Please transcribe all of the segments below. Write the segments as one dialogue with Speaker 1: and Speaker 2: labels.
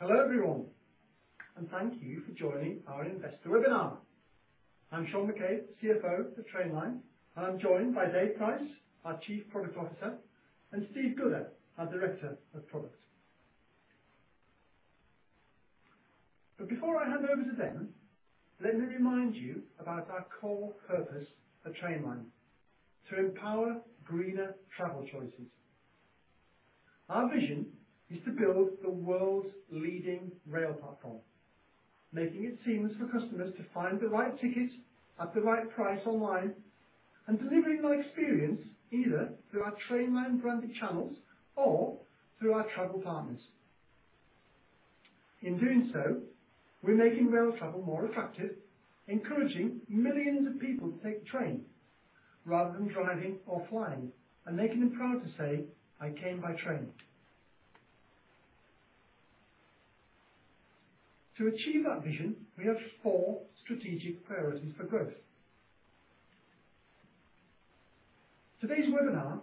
Speaker 1: Hello everyone, and thank you for joining our investor webinar. I'm Shaun McCabe, CFO of Trainline, and I'm joined by Dave Price, our Chief Product Officer, and Steve Gooder, our Director of Products. Before I hand over to them, let me remind you about our core purpose at Trainline: To empower greener travel choices. Our vision is to build the world's leading rail platform, making it seamless for customers to find the right tickets at the right price online and delivering that experience either through our Trainline branded channels or through our travel partners. In doing so, we're making rail travel more attractive, encouraging millions of people to take the train rather than driving or flying and making them proud to say, "I came by train." To achieve that vision, we have four strategic priorities for growth. Today's webinar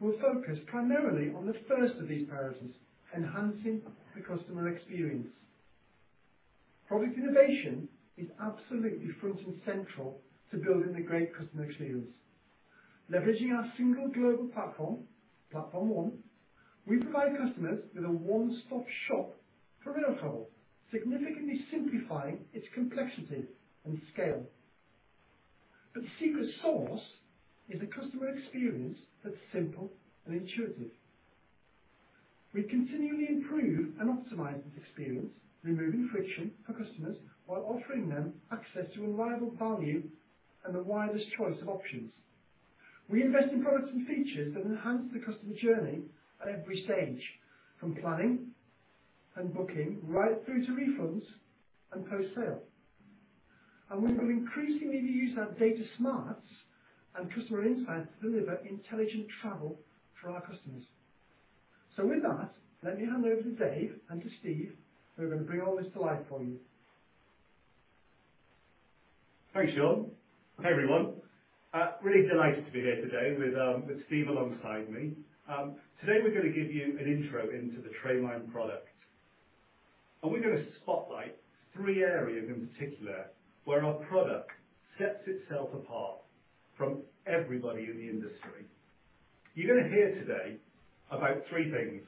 Speaker 1: will focus primarily on the first of these priorities, enhancing the customer experience. Product innovation is absolutely front and central to building a great customer experience. Leveraging our single global platform, Platform One, we provide customers with a one-stop shop for rail travel, significantly simplifying its complexity and scale. But the secret sauce is a customer experience that's simple and intuitive. We continually improve and optimize this experience, removing friction for customers while offering them access to unrivaled value and the widest choice of options. We invest in products and features that enhance the customer journey at every stage, from planning and booking right through to refunds and post-sale. We will increasingly use our data smarts and customer insights to deliver intelligent travel for our customers. With that, let me hand over to Dave and to Steve, who are gonna bring all this to life for you.
Speaker 2: Thanks, Shaun. Hey, everyone. Really delighted to be here today with Steve alongside me. Today, we're gonna give you an intro into the Trainline product, and we're gonna spotlight three areas in particular where our product sets itself apart from everybody in the industry. You're gonna hear today about three things.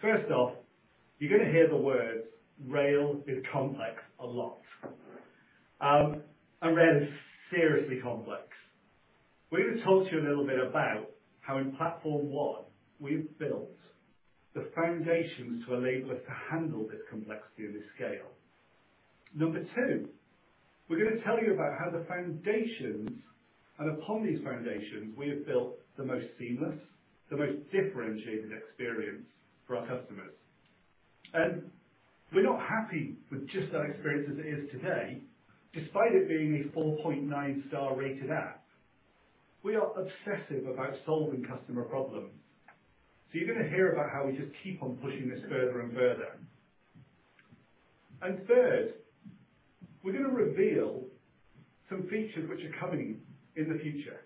Speaker 2: First off, you're gonna hear the words "rail is complex" a lot. Rail is seriously complex. We're gonna talk to you a little bit about how in Platform One we've built the foundations to enable us to handle this complexity and this scale. Number two, we're gonna tell you about how the foundations and upon these foundations, we have built the most seamless, the most differentiated experience for our customers. We're not happy with just our experience as it is today, despite it being a 4.9 star rated app. We are obsessive about solving customer problems, so you're gonna hear about how we just keep on pushing this further and further. Third, we're gonna reveal some features which are coming in the future.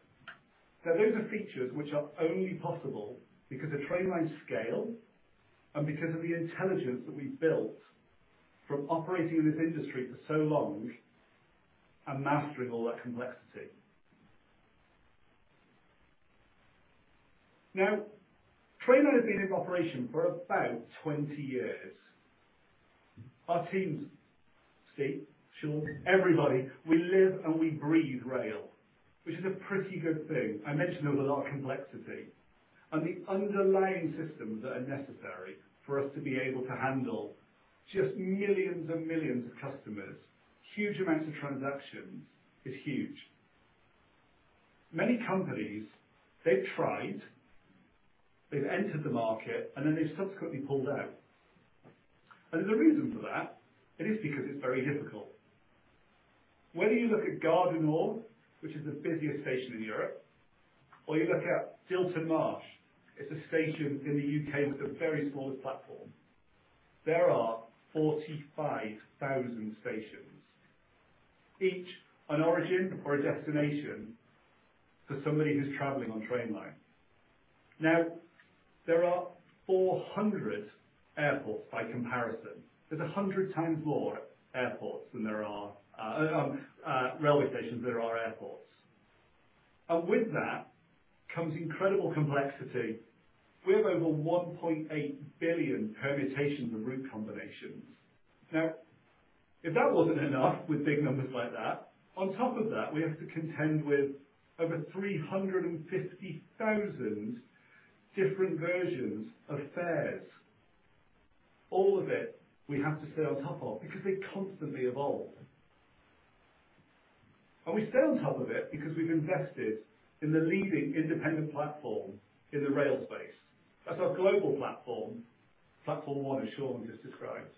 Speaker 2: Now, those are features which are only possible because of Trainline's scale and because of the intelligence that we've built from operating in this industry for so long and mastering all that complexity. Now, Trainline has been in operation for about 20 years. Our teams, Steve, Shaun, everybody, we live and we breathe rail, which is a pretty good thing. I mentioned there was a lot of complexity, and the underlying systems that are necessary for us to be able to handle just millions and millions of customers, huge amounts of transactions is huge. Many companies, they've tried, they've entered the market, and then they've subsequently pulled out. There's a reason for that. It is because it's very difficult. Whether you look at Gare du Nord, which is the busiest station in Europe, or you look at Dilton Marsh, it's a station in the U.K. with the very smallest platform. There are 45,000 stations, each an origin or a destination for somebody who's traveling on Trainline. Now, there are 400 airports by comparison. There's 100 times more railway stations than there are airports. With that comes incredible complexity. We have over 1.8 billion permutations and route combinations. Now, if that wasn't enough with big numbers like that, on top of that, we have to contend with over 350,000 different versions of fares. All of it we have to stay on top of because they constantly evolve. We stay on top of it because we've invested in the leading independent platform in the rail space. That's our global platform, Platform One, as Shaun just described.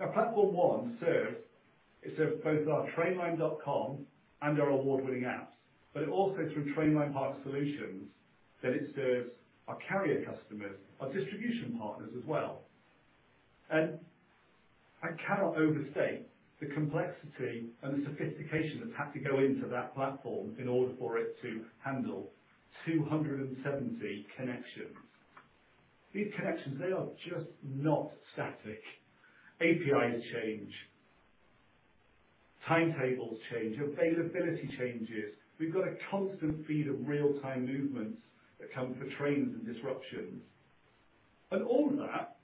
Speaker 2: Now, Platform One serves both our Trainline.com and our award-winning apps. Also through Trainline Partner Solutions, that it serves our carrier customers, our distribution partners as well. I cannot overstate the complexity and the sophistication that's had to go into that platform in order for it to handle 270 connections. These connections, they are just not static. APIs change, timetables change, availability changes. We've got a constant feed of real-time movements that come for trains and disruptions. All of that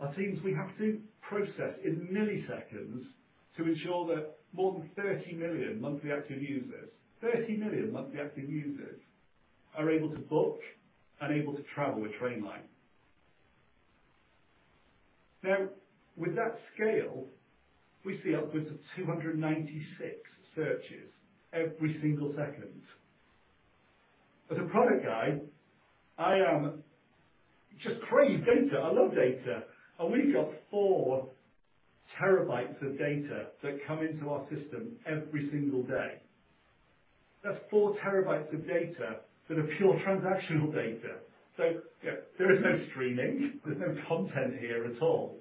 Speaker 2: are things we have to process in milliseconds to ensure that more than 30 million monthly active users are able to book and able to travel with Trainline. Now, with that scale, we see upwards of 296 searches every single second. As a product guy, I am just crazy about data. I love data. We've got 4 TB of data that come into our system every single day. That's 4 TB of data that are pure transactional data. Yeah, there is no streaming. There's no content here at all.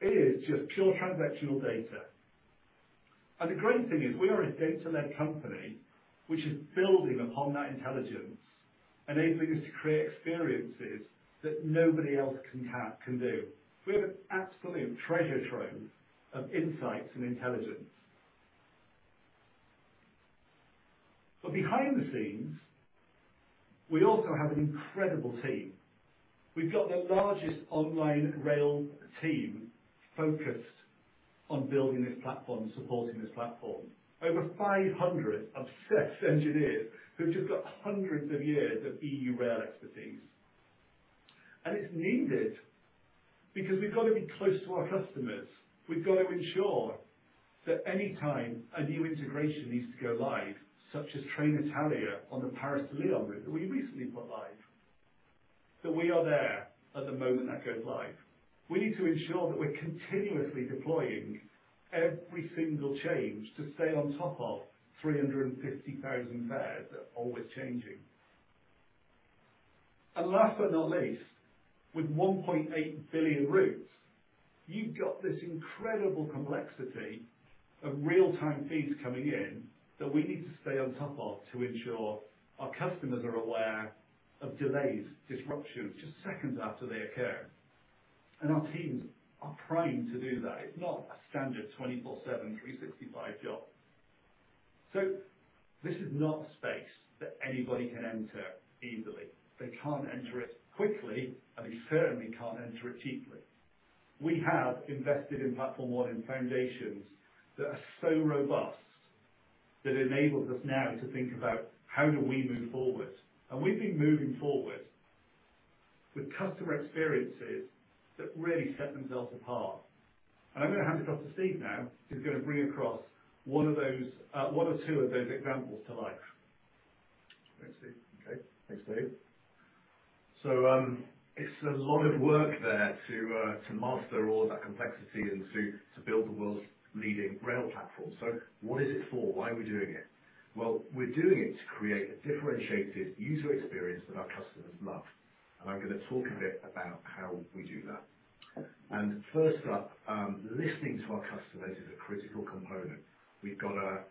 Speaker 2: It is just pure transactional data. The great thing is we are a data-led company which is building upon that intelligence, enabling us to create experiences that nobody else can do. We have absolutely a treasure trove of insights and intelligence. Behind the scenes, we also have an incredible team. We've got the largest online rail team focused on building this platform and supporting this platform. Over 500 obsessed engineers who've just got hundreds of years of EU rail expertise. It's needed because we've got to be close to our customers. We've got to ensure that any time a new integration needs to go live, such as Trenitalia on the Paris to Lyon route that we recently brought live, that we are there at the moment that goes live. We need to ensure that we're continuously deploying every single change to stay on top of 350,000 fares that are always changing. Last but not least, with 1.8 billion routes, you've got this incredible complexity of real-time feeds coming in that we need to stay on top of to ensure our customers are aware of delays, disruptions just seconds after they occur. Our teams are primed to do that. It's not a standard 24/7, 365 job. This is not space that anybody can enter easily. They can't enter it quickly, and they certainly can't enter it cheaply. We have invested in Platform One foundations that are so robust that enables us now to think about how do we move forward. We've been moving forward with customer experiences that really set themselves apart. I'm going to hand it off to Steve now, who's going to bring across one of those, one or two of those examples to life. Thanks, Steve.
Speaker 3: Okay. Thanks, Dave. It's a lot of work there to master all of that complexity and to build the World's leading rail platform. What is it for? Why are we doing it? We're doing it to create a differentiated user experience that our customers love. I'm gonna talk a bit about how we do that. First up, listening to our customers is a critical component. We've got a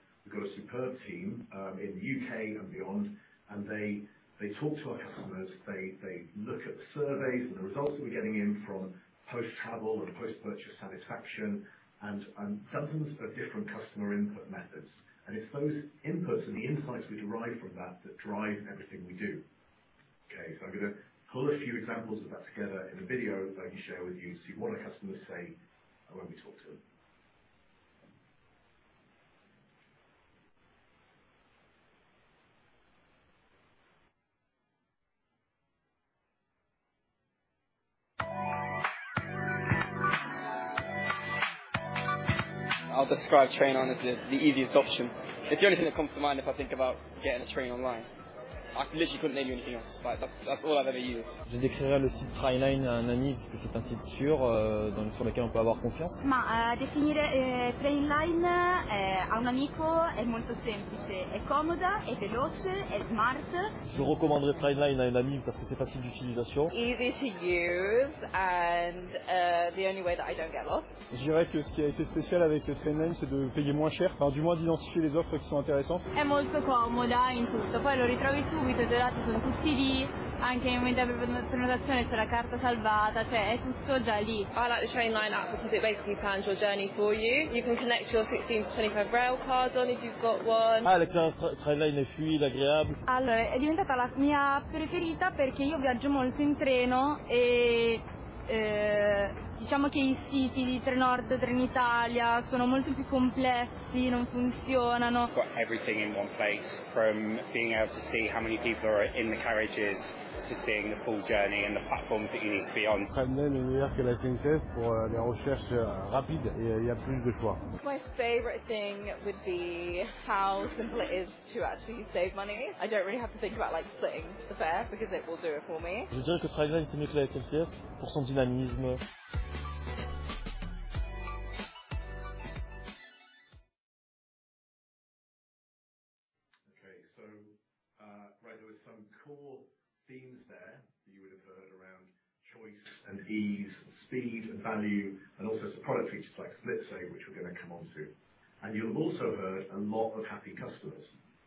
Speaker 3: superb team in the U.K. and beyond, and they talk to our customers. They look at the surveys and the results that we're getting in from post-travel and post-purchase satisfaction and dozens of different customer input methods. It's those inputs and the insights we derive from that that drive everything we do. Okay. I'm gonna pull a few examples of that together in a video that I can share with you to see what our customers say and when we talk to them.
Speaker 4: I'll describe Trainline as the easiest option. It's the only thing that comes to mind if I think about getting a train online. I literally couldn't name you anything else. Like, that's all I've ever used.
Speaker 5: Easy to use and the only way that I don't get lost. I like the Trainline app because it basically plans your journey for you. You can connect your 16-25 Railcard on if you've got one.
Speaker 6: It's got everything in one place from being able to see how many people are in the carriages to seeing the full journey and the platforms that you need to be on.
Speaker 5: My favorite thing would be how simple it is to actually save money. I don't really have to think about, like, splitting the fare because it will do it for me.
Speaker 3: Right there were some core themes there that you would have heard around choice and ease, speed and value, and also some product features like SplitSave, which we're gonna come on to. You'll have also heard a lot of happy customers,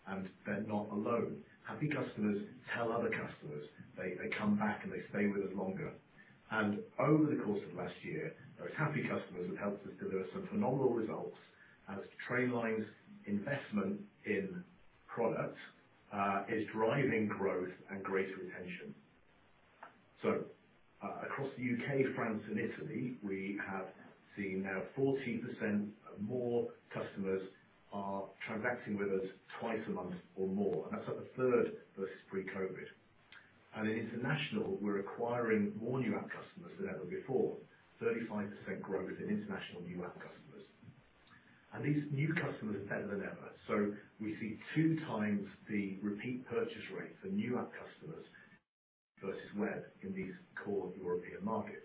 Speaker 3: and they're not alone. Happy customers tell other customers. They come back, and they stay with us longer. Over the course of last year, those happy customers have helped us deliver some phenomenal results as Trainline's investment in product is driving growth and greater retention. Across the U.K., France and Italy, we have seen now 14% more customers are transacting with us twice a month or more, and that's up a third versus pre-COVID. In international, we're acquiring more new app customers than ever before. 35% growth in international new app customers. These new customers are better than ever. We see two times the repeat purchase rates for new app customers versus web in these core European markets.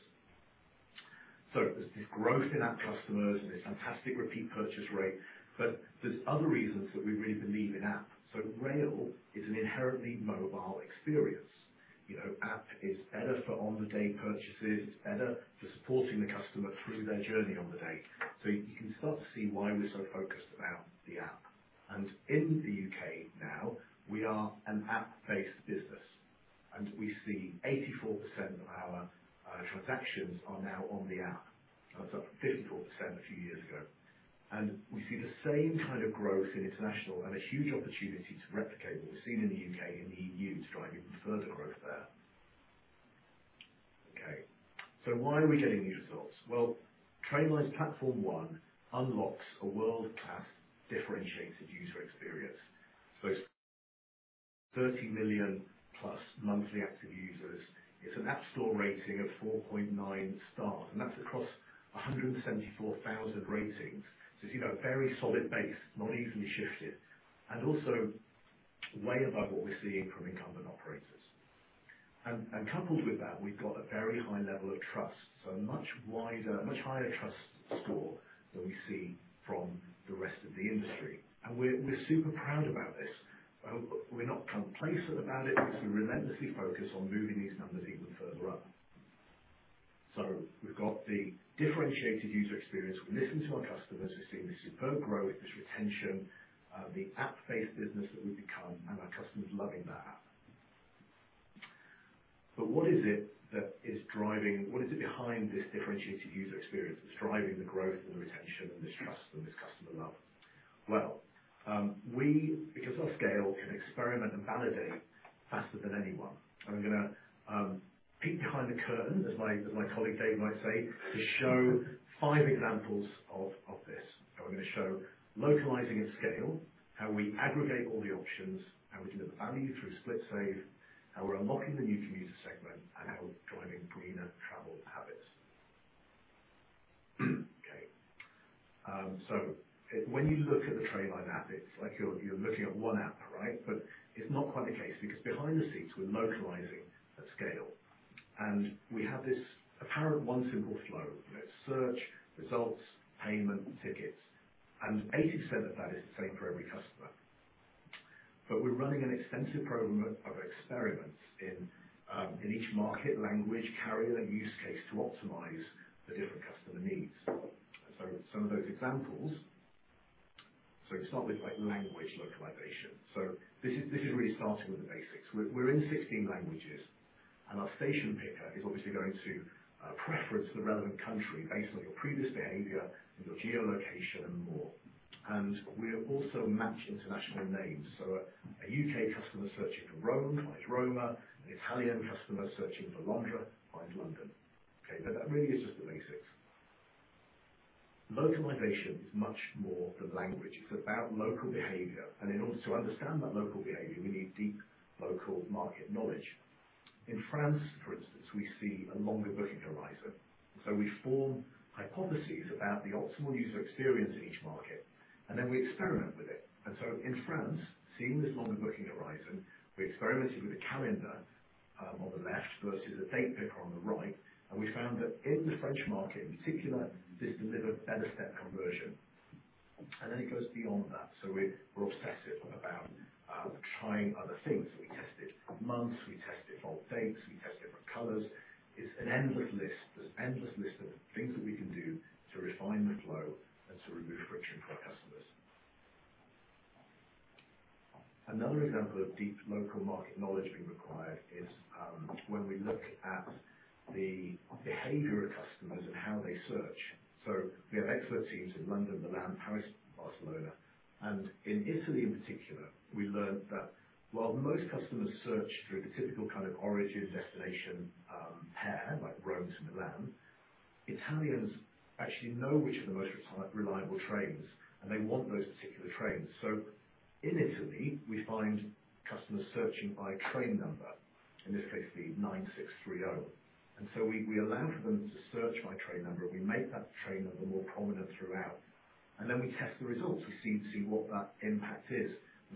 Speaker 3: There's this growth in app customers, this fantastic repeat purchase rate, but there's other reasons that we really believe in app. Rail is an inherently mobile experience. You know, app is better for on the day purchases. It's better for supporting the customer through their journey on the day. You can start to see why we're so focused about the app. In the U.K. now, we are an app-based business, and we see 84% of our transactions are now on the app. That's up from 54% a few years ago. We see the same kind of growth in international and a huge opportunity to replicate what we've seen in the U.K., in the EU to drive even further growth there. Okay. Why are we getting these results? Well, Trainline's Platform One unlocks a world-class differentiated user experience. It's 30 million plus monthly active users. It's an app store rating of 4.9 stars, and that's across 174,000 ratings. It's, you know, a very solid base, not easily shifted, and also way above what we're seeing from incumbent operators. Coupled with that, we've got a very high level of trust, much higher trust score than we see from the rest of the industry. We're super proud about this. We're not complacent about it because we relentlessly focus on moving these numbers even further up. We've got the differentiated user experience. We listen to our customers. We've seen this superb growth, this retention, the app-based business that we've become and our customers loving that app. What is it that is driving? What is it behind this differentiated user experience that's driving the growth and the retention and this trust and this customer love? Well, we because of our scale can experiment and validate faster than anyone. I'm gonna peek behind the curtain, as my colleague Dave might say, to show five examples of this. We're gonna show localizing at scale, how we aggregate all the options, how we deliver value through SplitSave, how we're unlocking the new commuter segment and how we're driving greener travel habits. Okay. When you look at the Trainline app, it's like you're looking at one app, right? It's not quite the case because behind the scenes, we're localizing at scale, and we have this apparent one simple flow. There's search, results, payment, tickets, and 80% of that is the same for every customer. We're running an extensive program of experiments in each market, language, carrier, and use case to optimize the different customer needs. Some of those examples. Let's start with like language localization. This is really starting with the basics. We're in 16 languages, and our station picker is obviously going to preference the relevant country based on your previous behavior, your geolocation and more. We also match international names. A U.K. customer searching for Rome finds Roma, an Italian customer searching for Londra finds London. Okay. That really is just the basics. Localization is much more than language. It's about local behavior. In order to understand that local behavior, we need deep local market knowledge. In France, for instance, we see a longer booking horizon. We form hypotheses about the optimal user experience in each market, and then we experiment with it. In France, seeing this longer booking horizon, we experimented with a calendar on the left versus a date picker on the right. We found that in the French market in particular, this delivered better step conversion. It goes beyond that. We're obsessive about trying other things. We tested months, we tested bold dates, we tested different colors. It's an endless list. There's endless list of things that we can do to refine the flow and to remove friction for customers. Another example of deep local market knowledge being required is when we look at the behavior of customers and how they search. We have expert teams in London, Milan, Paris, Barcelona. In Italy in particular, we learned that while most customers search through the typical kind of origin destination pair, like Rome to Milan, Italians actually know which are the most reliable trains, and they want those particular trains. In Italy, we find customers searching by train number, in this case the 9630. We allow for them to search by train number. We make that train number more prominent throughout, and then we test the results. We see what that impact is.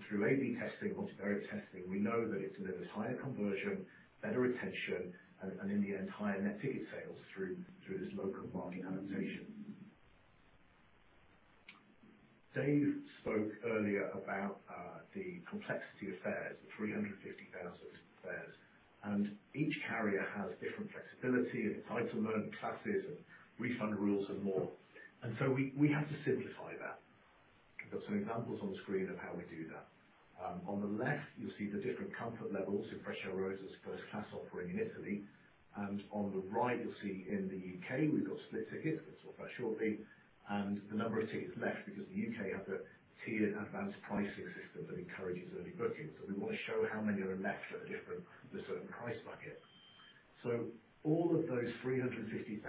Speaker 3: Through A/B testing, multivariate testing, we know that it delivers higher conversion, better retention and in the end, higher net ticket sales through this local market adaptation. Dave spoke earlier about the complexity of fares, the 350,000 fares, and each carrier has different flexibility and fare classes and refund rules and more. We have to simplify that. Got some examples on screen of how we do that. On the left you'll see the different comfort levels in Frecciarossa's first class offering in Italy. On the right you'll see in the U.K, we've got split tickets we'll talk about shortly. The number of tickets left because the U.K. has a tiered advanced pricing system that encourages early bookings. We want to show how many are left at the different price buckets. All of those 350,000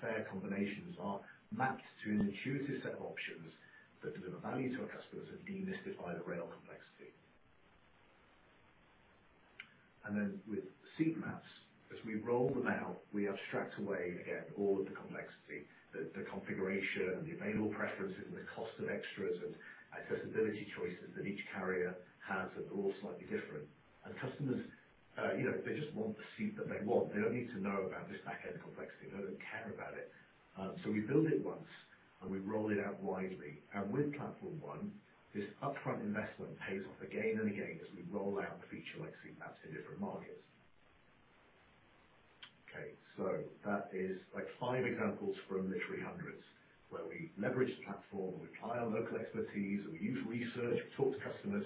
Speaker 3: fare combinations are mapped to an intuitive set of options that deliver value to our customers and demystify the rail complexity. With Seat Maps, as we roll them out, we abstract away again all of the complexity, the configuration, the available preferences, and the cost of extras and accessibility choices that each carrier has that are all slightly different. Customers, you know, they just want the seat that they want. They don't need to know about this back-end complexity. They don't care about it. We build it once and we roll it out widely. With Platform One, this upfront investment pays off again and again as we roll out a feature like Seat Maps in different markets. Okay, that is like five examples from literally hundreds where we leverage the platform, we apply our local expertise, and we use research. We talk to customers,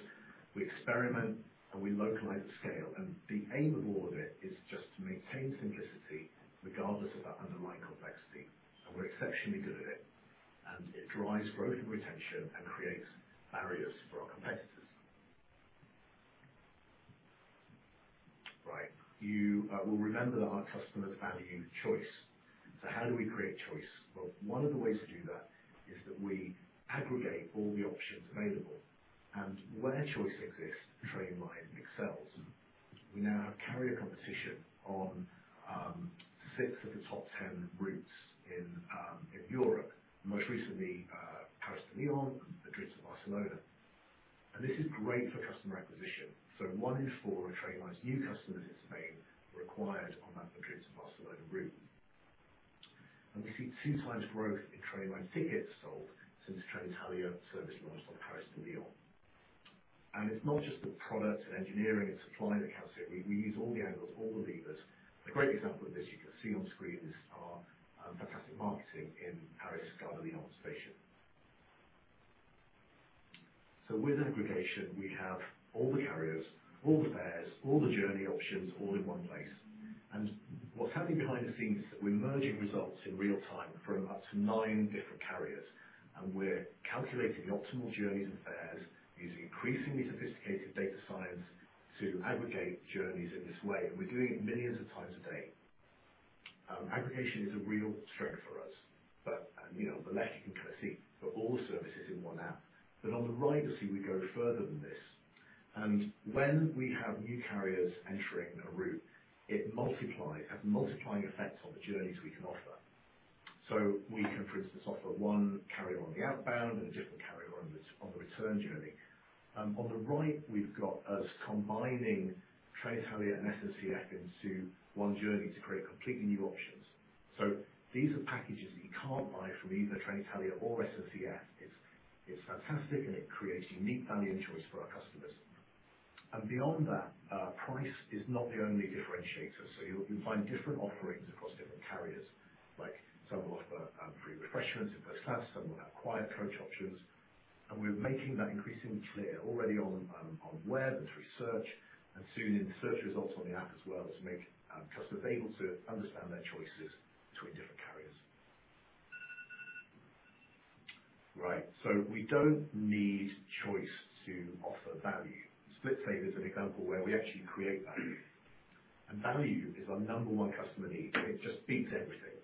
Speaker 3: we experiment, and we localize the scale. The aim of all of it is just to maintain simplicity regardless of that underlying complexity. We're exceptionally good at it, and it drives growth and retention and creates barriers for our competitors. Right. You will remember that our customers value choice. How do we create choice? Well, one of the ways to do that is that we aggregate all the options available. Where choice exists, Trainline excels. We now have carrier competition on six of the top 10 routes in Europe. Most recently, Paris to Lyon, Madrid to Barcelona. This is great for customer acquisition. One in four of Trainline's new customers in Spain were acquired on that Madrid to Barcelona route. We see two times growth in Trainline tickets sold since Trenitalia service launched on Paris to Lyon. It's not just the product and engineering and supply that counts here. We use all the angles, all the levers. A great example of this you can see on screen is our fantastic marketing in Paris Gare de Lyon station. With aggregation, we have all the carriers, all the fares, all the journey options all in one place. What's happening behind the scenes is that we're merging results in real time from up to nine different carriers, and we're calculating the optimal journeys and fares using increasingly sophisticated data science to aggregate journeys in this way. We're doing it millions of times a day. Aggregation is a real strength for us. You know, on the left you can kind of see all the services in one app. On the right you'll see we go further than this. When we have new carriers entering a route, it has a multiplying effect on the journeys we can offer. We can, for instance, offer one carrier on the outbound and a different carrier on the return journey. On the right we've got us combining Trenitalia and SNCF into one journey to create completely new options. These are packages that you can't buy from either Trenitalia or SNCF. It's fantastic, and it creates unique value and choice for our customers. Beyond that, price is not the only differentiator. You'll find different offerings across different carriers, like some will offer free refreshments in first class, some will have quiet coach options. We're making that increasingly clear already on web and through search and soon in search results on the app as well to make customers able to understand their choices between different carriers. Right. We don't need choice to offer value. SplitSave is an example where we actually create value. Value is our number one customer need. It just beats everything.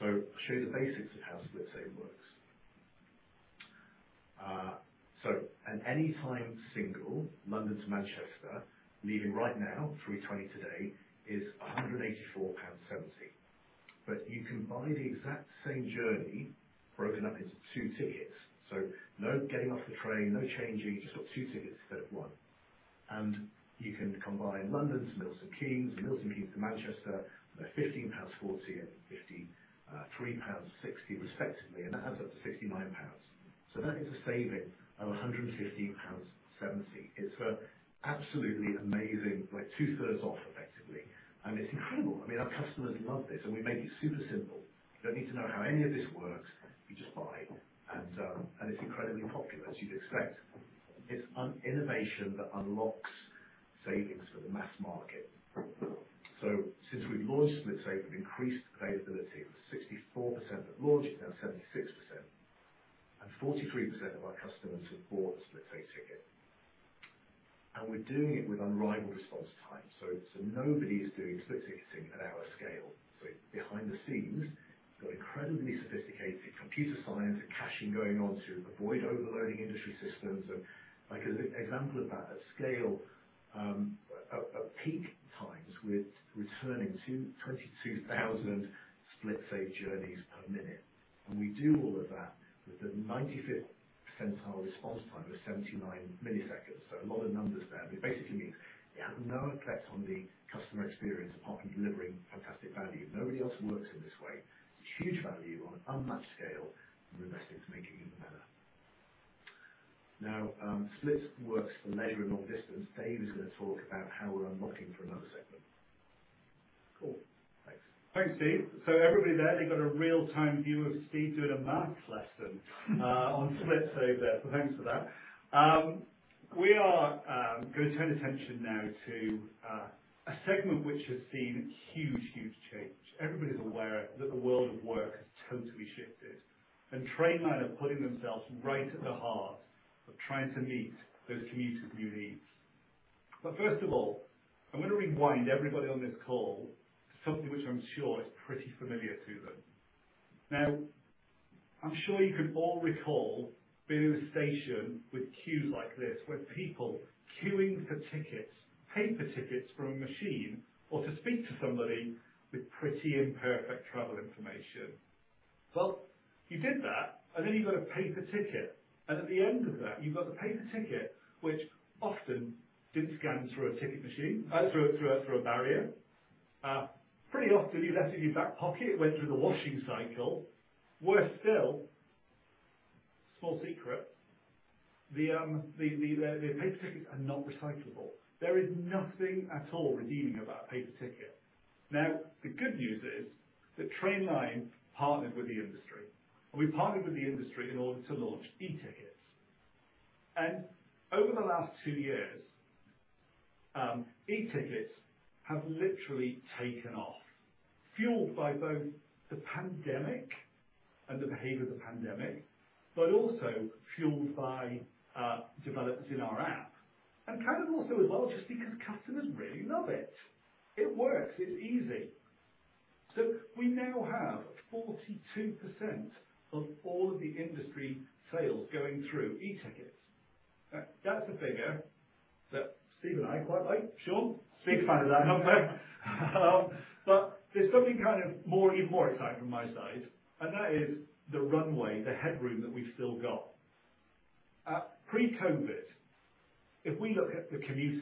Speaker 3: I'll show you the basics of how SplitSave works. An anytime single London to Manchester leaving right now, 3:20 P.M. today is 184.70 pounds. But you can buy the exact same journey broken up into two tickets. No getting off the train, no changing, you've just got two tickets instead of one. You can combine London to Milton Keynes and Milton Keynes to Manchester. They're GBP 15.40 and 53.60 pounds respectively. That adds up to 69 pounds. That is a saving of 115.70 pounds. It's an absolutely amazing, like two-thirds off effectively. It's incredible. I mean, our customers love this, and we make it super simple. You don't need to know how any of this works. You just buy. It's incredibly popular, as you'd expect. It's an innovation that unlocks savings for the mass market. Since we've launched SplitSave, we've increased availability from 64% at launch to now 76%. 43% of our customers have bought a SplitSave ticket. We're doing it with unrivaled response time. Nobody is doing split ticketing at our scale. Behind the scenes, we've got incredibly sophisticated computer science and caching going on to avoid overloading industry systems. Like as an example of that, at scale, at peak times, we're returning 22,000 SplitSave journeys per minute. We do all of that with the 95th-percentile response time is 79 milliseconds. A lot of numbers there, but it basically means it had no effect on the customer experience apart from delivering fantastic value. Nobody else works in this way. It's huge value on an unmatched scale, and we invest into making it even better. Now, Split works for leisure and long distance. Dave is going to talk about how we're unlocking for another segment.
Speaker 2: Cool.
Speaker 3: Thanks.
Speaker 2: Thanks, Steve. Everybody there, they got a real-time view of Steve doing a math lesson on SplitSave there. Thanks for that. We are gonna turn attention now to a segment which has seen huge change. Everybody's aware that the world of work has totally shifted. Trainline are putting themselves right at the heart of trying to meet those commuters' new needs. First of all, I'm gonna rewind everybody on this call to something which I'm sure is pretty familiar to them. Now, I'm sure you can all recall being in a station with queues like this, with people queuing for tickets, paper tickets from a machine, or to speak to somebody with pretty imperfect travel information. Well, you did that, and then you got a paper ticket. At the end of that, you got the paper ticket, which often didn't scan through a ticket machine or through a barrier. Pretty often, you left it in your back pocket. It went through the washing cycle. Worse still, small secret, the paper tickets are not recyclable. There is nothing at all redeeming about a paper ticket. Now, the good news is that Trainline partnered with the industry, and we partnered with the industry in order to launch e-tickets. Over the last two years, e-tickets have literally taken off, fueled by both the pandemic and the behavior of the pandemic, but also fueled by developments in our app. Kind of also as well, just because customers really love it. It works. It's easy. We now have 42% of all of the industry sales going through e-tickets. That, that's the figure that Steve and I quite like. Shaun?
Speaker 3: Big fan of that.
Speaker 2: There's something kind of more, even more exciting from my side, and that is the runway, the headroom that we've still got. Pre-COVID, the commuter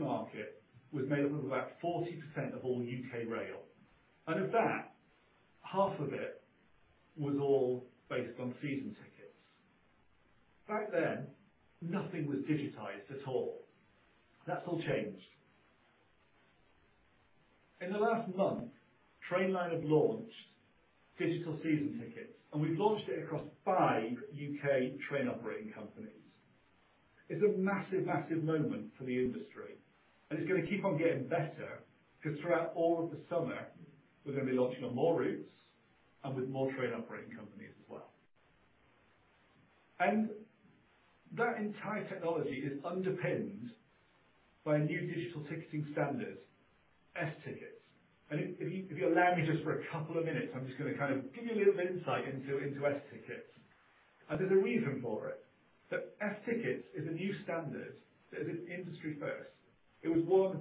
Speaker 2: market was made up of about 40% of all U.K. rail, and of that, half of it was all based on season tickets. Back then, nothing was digitized at all. That's all changed. In the last month, Trainline have launched Digital Season Tickets, and we've launched it across five U.K. train operating companies. It's a massive moment for the industry, and it's gonna keep on getting better 'cause throughout all of the summer, we're gonna be launching on more routes and with more train operating companies as well. That entire technology is underpinned by new digital ticketing standards, sTickets. If you allow me just for a couple of minutes, I'm just gonna kind of give you a little bit of insight into sTicket. There's a reason for it. S-ticket is a new standard that is an industry first. It was one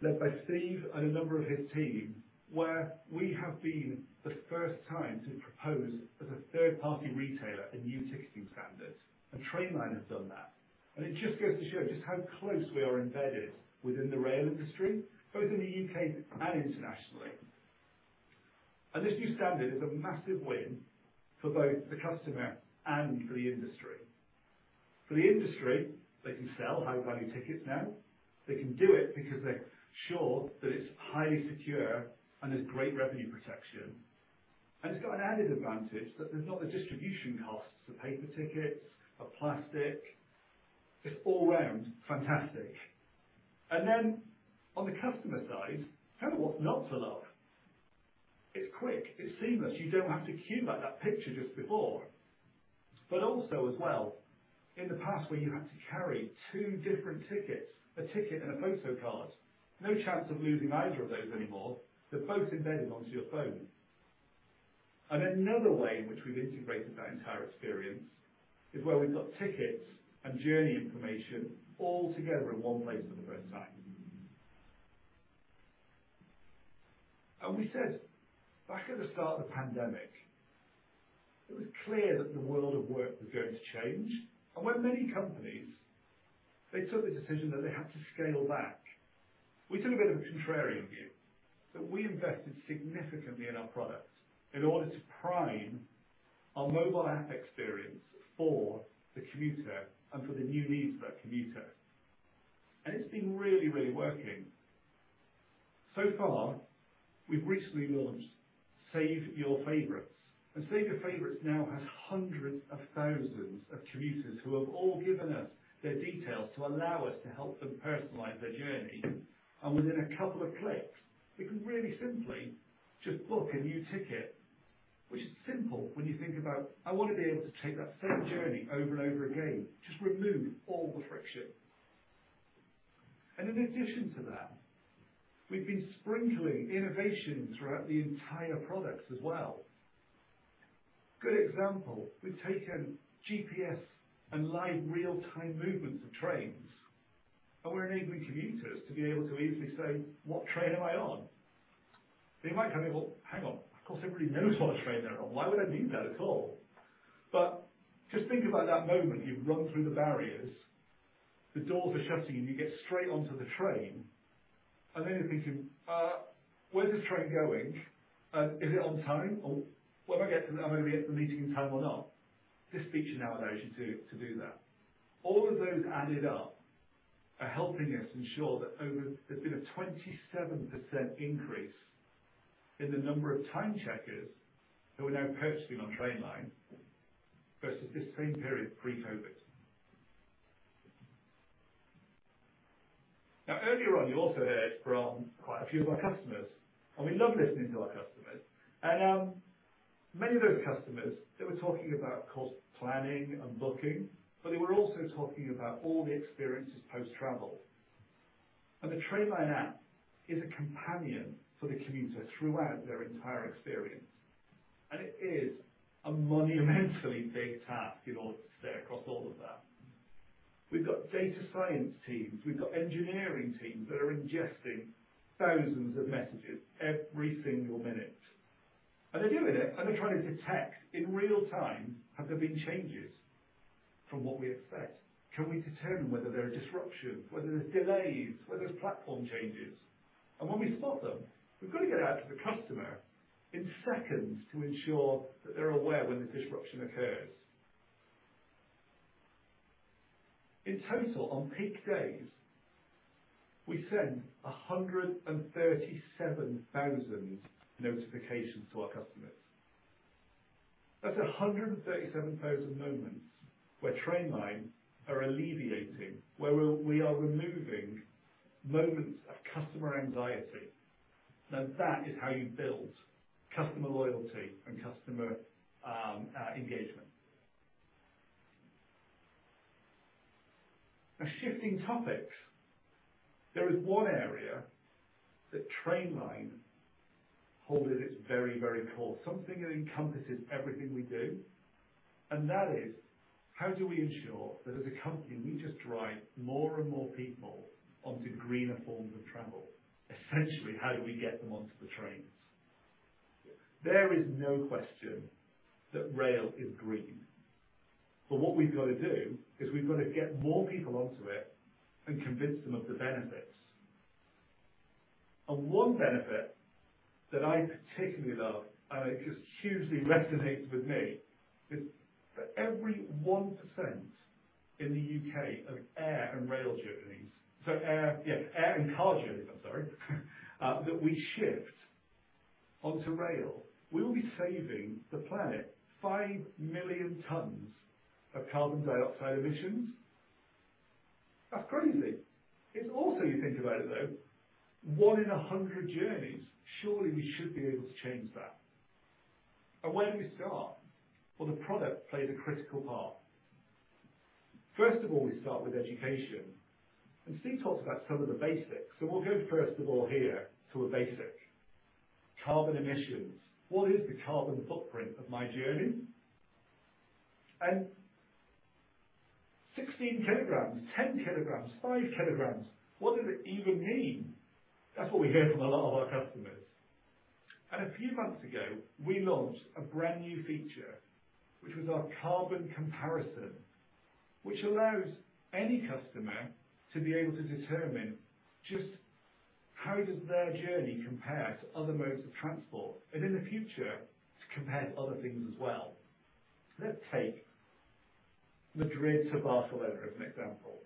Speaker 2: led by Steve and a number of his team, where we have been the first time to propose as a third-party retailer, a new ticketing standard. Trainline have done that. It just goes to show just how close we are embedded within the rail industry, both in the U.K. and internationally. This new standard is a massive win for both the customer and for the industry. For the industry, they can sell high-value tickets now. They can do it because they're sure that it's highly secure and there's great revenue protection. It's got an added advantage that there's not the distribution costs of paper tickets or plastic. Just all-around fantastic. On the customer side, kind of what's not to love? It's quick, it's seamless. You don't have to queue like that picture just before. Also as well, in the past, where you had to carry two different tickets, a ticket and a photo card, no chance of losing either of those anymore. They're both embedded onto your phone. Another way in which we've integrated that entire experience is where we've got tickets and journey information all together in one place for the first time. We said back at the start of the pandemic, it was clear that the world of work was going to change. Where many companies, they took the decision that they had to scale back, we took a bit of a contrarian view, that we invested significantly in our products in order to prime our mobile app experience for the commuter and for the new needs of that commuter. It's been really, really working. So far, we've recently launched Save Your Favorites, and Save Your Favorites now has hundreds of thousands of commuters who have all given us their details to allow us to help them personalize their journey. Within a couple of clicks, we can really simply just book a new ticket, which is simple when you think about, I wanna be able to take that same journey over and over again. Just remove all the friction. In addition to that, we've been sprinkling innovation throughout the entire product as well. Good example, we've taken GPS and live real-time movements of trains. We're enabling commuters to be able to easily say, "What train am I on?" They might be going, "Well, hang on. Of course, everybody knows what train they're on. Why would I need that at all?" Just think about that moment you've run through the barriers, the doors are shutting, and you get straight onto the train, and then you're thinking, "where's this train going? is it on time? Or when I get to, am I going to be at the meeting in time or not?" This feature now allows you to do that. All of those added up are helping us ensure that over. There's been a 27% increase in the number of time checkers who are now purchasing on Trainline versus the same period pre-COVID. Now, earlier on, you also heard from quite a few of our customers, and we love listening to our customers. Many of those customers, they were talking about cost planning and booking, but they were also talking about all the experiences post-travel. The Trainline app is a companion for the commuter throughout their entire experience. It is a monumentally big task in order to stay across all of that. We've got data science teams. We've got engineering teams that are ingesting thousands of messages every single minute. They're doing it, and they're trying to detect in real time, have there been changes from what we expect? Can we determine whether there are disruptions, whether there's delays, whether there's platform changes? When we spot them, we've got to get it out to the customer in seconds to ensure that they're aware when the disruption occurs. In total, on peak days, we send 137,000 notifications to our customers. That's 137,000 moments where Trainline are alleviating, where we are removing moments of customer anxiety. Now, that is how you build customer loyalty and customer engagement. Now shifting topics. There is one area that Trainline hold at its very, very core, something that encompasses everything we do, and that is. How do we ensure that as a company, we just drive more and more people onto greener forms of travel? Essentially, how do we get them onto the trains? There is no question that rail is green. What we've got to do is we've got to get more people onto it and convince them of the benefits. One benefit that I particularly love, and it just hugely resonates with me is for every 1% in the U.K. of air and car journeys that we shift onto rail. We'll be saving the planet five million tons of carbon dioxide emissions. That's crazy. It's also, you think about it though, one in 100 journeys. Surely we should be able to change that. Where do we start? Well, the product plays a critical part. First of all, we start with education. Steve talked about some of the basics. We'll go first of all here to a basic, carbon emissions. What is the carbon footprint of my journey? 16 kilograms, 10 kilograms, 5 kilograms. What does it even mean? That's what we hear from a lot of our customers. A few months ago, we launched a brand new feature, which was our carbon comparison. Which allows any customer to be able to determine just how does their journey compare to other modes of transport. In the future, to compare to other things as well. Let's take Madrid to Barcelona as an example.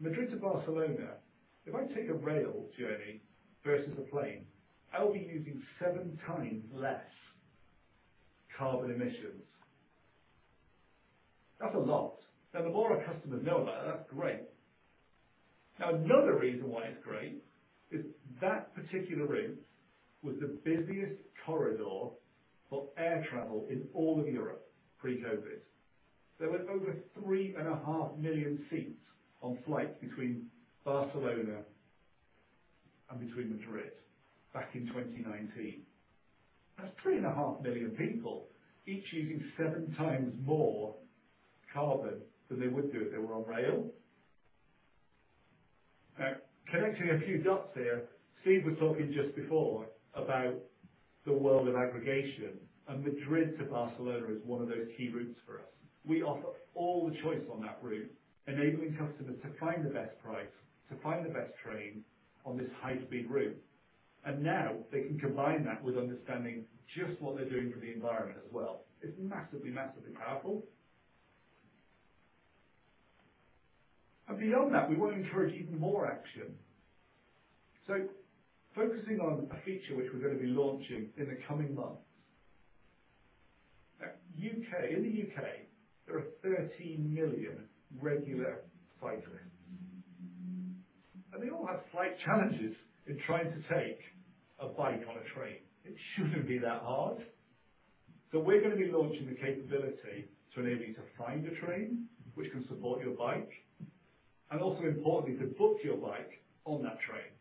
Speaker 2: Madrid to Barcelona. If I take a rail journey versus a plane, I'll be using seven times less carbon emissions. That's a lot. Now, the more our customers know about it, that's great. Now, another reason why it's great is that particular route was the busiest corridor for air travel in all of Europe pre-COVID. There were over 3.5 million seats on flights between Barcelona and Madrid back in 2019. That's 3.5 million people, each using seven times more carbon than they would do if they were on rail. Now, connecting a few dots here, Steve was talking just before about the world of aggregation. Madrid to Barcelona is one of those key routes for us. We offer all the choice on that route, enabling customers to find the best price, to find the best train on this high-speed route. Now they can combine that with understanding just what they're doing for the environment as well. It's massively powerful. Beyond that, we want to encourage even more action. Focusing on a feature which we're going to be launching in the coming months. In the U.K., there are 13 million regular cyclists. They all have slight challenges in trying to take a bike on a train. It shouldn't be that hard. We're going to be launching the capability to enable you to find a train which can support your bike, and also importantly, to book your bike on that train.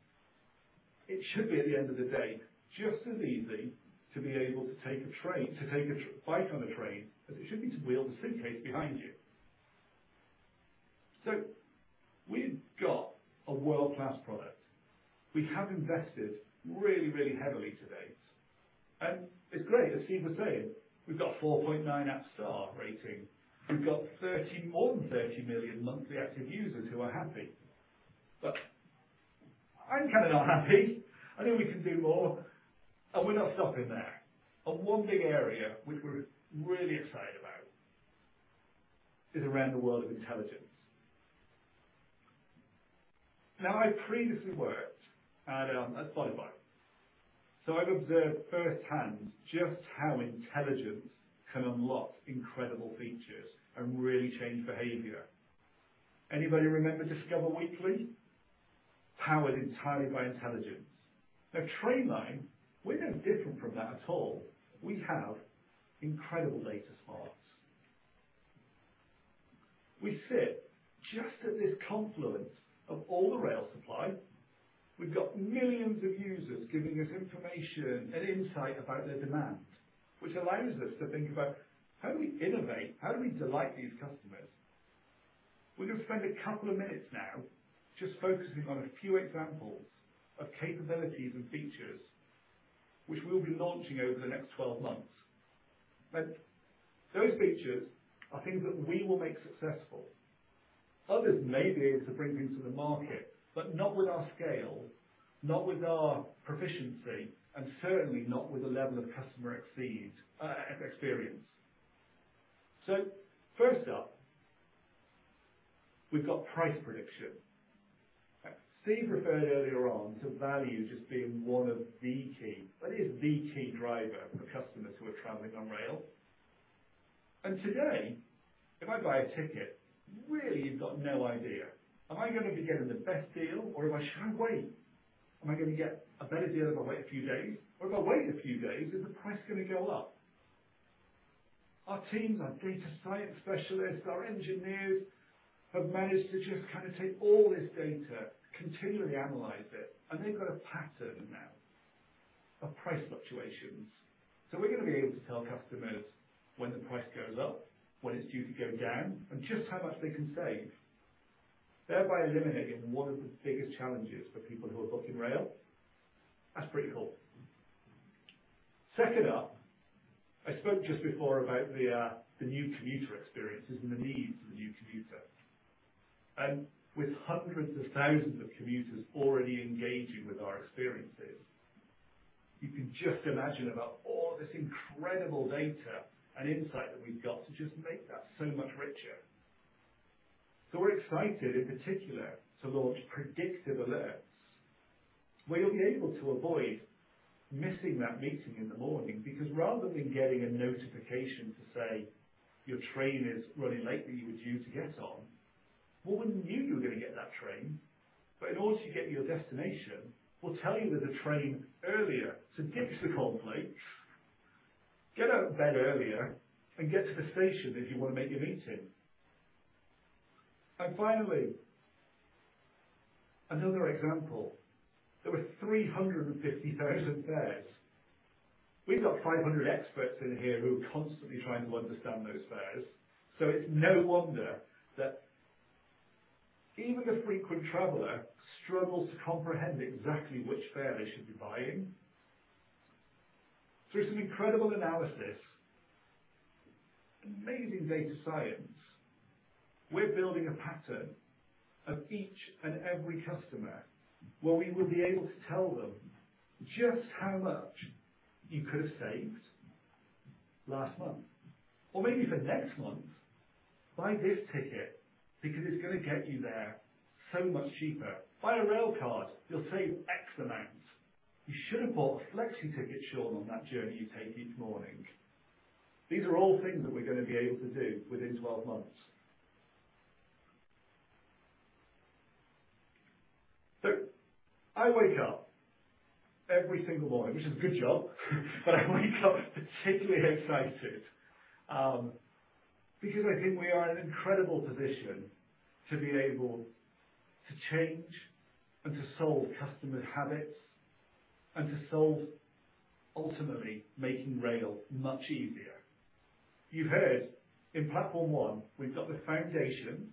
Speaker 2: It should be at the end of the day, just as easy to be able to take a bike on a train as it should be to wheel the suitcase behind you. We've got a world-class product. We have invested really, really heavily to date. It's great, as Steve was saying, we've got 4.9 app star rating. We've got more than 30 million monthly active users who are happy. I'm kind of not happy. I know we can do more, and we're not stopping there. One big area which we're really excited about is around the world of intelligence. Now, I previously worked at Spotify, so I've observed firsthand just how intelligence can unlock incredible features and really change behavior. Anybody remember Discover Weekly? Powered entirely by intelligence. At Trainline, we're no different from that at all. We have incredible data smarts. We sit just at this confluence of all the rail supply. We've got millions of users giving us information and insight about their demands, which allows us to think about how do we innovate, how do we delight these customers? We're going to spend a couple of minutes now just focusing on a few examples of capabilities and features which we'll be launching over the next 12 months. Those features are things that we will make successful. Others may be able to bring them to the market, but not with our scale, not with our proficiency, and certainly not with the level of customer experience. First up, we've got Price Prediction. Steve referred earlier on to value as just being one of the key. That is the key driver for customers who are traveling on rail. Today, if I buy a ticket, really you've got no idea, am I gonna be getting the best deal or should I wait? Am I gonna get a better deal if I wait a few days? Or if I wait a few days, is the price gonna go up? Our teams, our data science specialists, our engineers, have managed to just kind of take all this data, continually analyze it, and they've got a pattern now of price fluctuations. We're going to be able to tell customers when the price goes up, when it's due to go down, and just how much they can save, thereby eliminating one of the biggest challenges for people who are booking rail. That's pretty cool. Second up, I spoke just before about the new commuter experiences and the needs of the new commuter. With hundreds of thousands of commuters already engaging with our experiences, you can just imagine about all this incredible data and insight that we've got to just make that so much richer. We're excited, in particular, to launch predictive alerts, where you'll be able to avoid missing that meeting in the morning, because rather than getting a notification to say your train is running late that you were due to get on, well, we knew you were going to get that train. In order to get to your destination, we'll tell you there's a train earlier. Ditch the cornflakes, get out of bed earlier, and get to the station if you want to make your meeting. Finally, another example. There were 350,000 fares. We've got 500 experts in here who are constantly trying to understand those fares. It's no wonder that even the frequent traveler struggles to comprehend exactly which fare they should be buying. Through some incredible analysis, amazing data science, we're building a pattern of each and every customer where we will be able to tell them just how much you could have saved last month or maybe for next month. Buy this ticket because it's going to get you there so much cheaper. Buy a rail card, you'll save X amount. You should have bought a flexi ticket, Shaun, on that journey you take each morning. These are all things that we're going to be able to do within 12 months. I wake up every single morning, which is a good job but I wake up particularly excited, because I think we are in an incredible position to be able to change and to solve customer habits and to solve ultimately making rail much easier. You heard in Platform One, we've got the foundations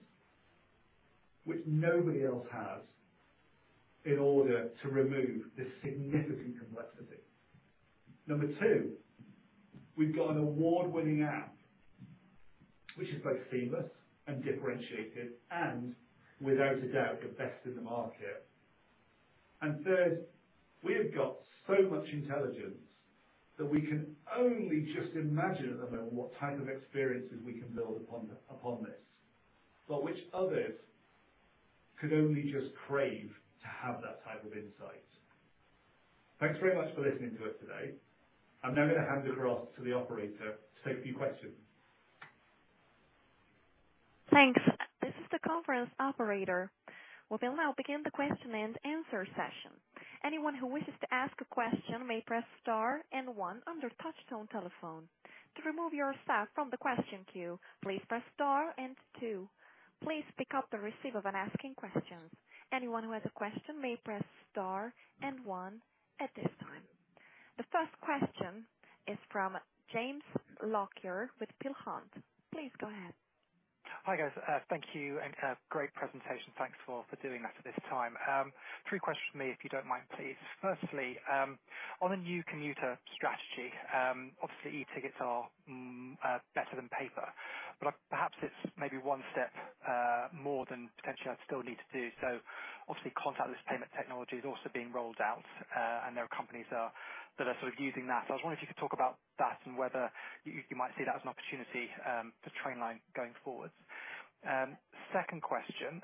Speaker 2: which nobody else has in order to remove the significant complexity. Number two, we've got an award-winning app which is both seamless and differentiated and without a doubt the best in the market. Third, we have got so much intelligence that we can only just imagine at the moment what type of experiences we can build upon this, but which others could only just crave to have that type of insight. Thanks very much for listening to us today. I'm now going to hand across to the operator to take a few questions.
Speaker 7: Thanks. This is the conference operator. We'll now begin the question and answer session. Anyone who wishes to ask a question may press star and one on your touchtone telephone. To remove yourself from the question queue, please press star and two. Please pick up the receiver when asking questions. Anyone who has a question may press star and one at this time. The first question is from James Lockyer with Peel Hunt. Please go ahead.
Speaker 8: Hi, guys. Thank you and great presentation. Thanks for doing that at this time. Three questions from me, if you don't mind, please. Firstly, on the new commuter strategy, obviously eticket are better than paper, but perhaps it's maybe one step more than potentially I'd still need to do. Obviously contactless payment technology is also being rolled out, and there are companies that are sort of using that. I was wondering if you could talk about that and whether you might see that as an opportunity for Trainline going forwards. Second question.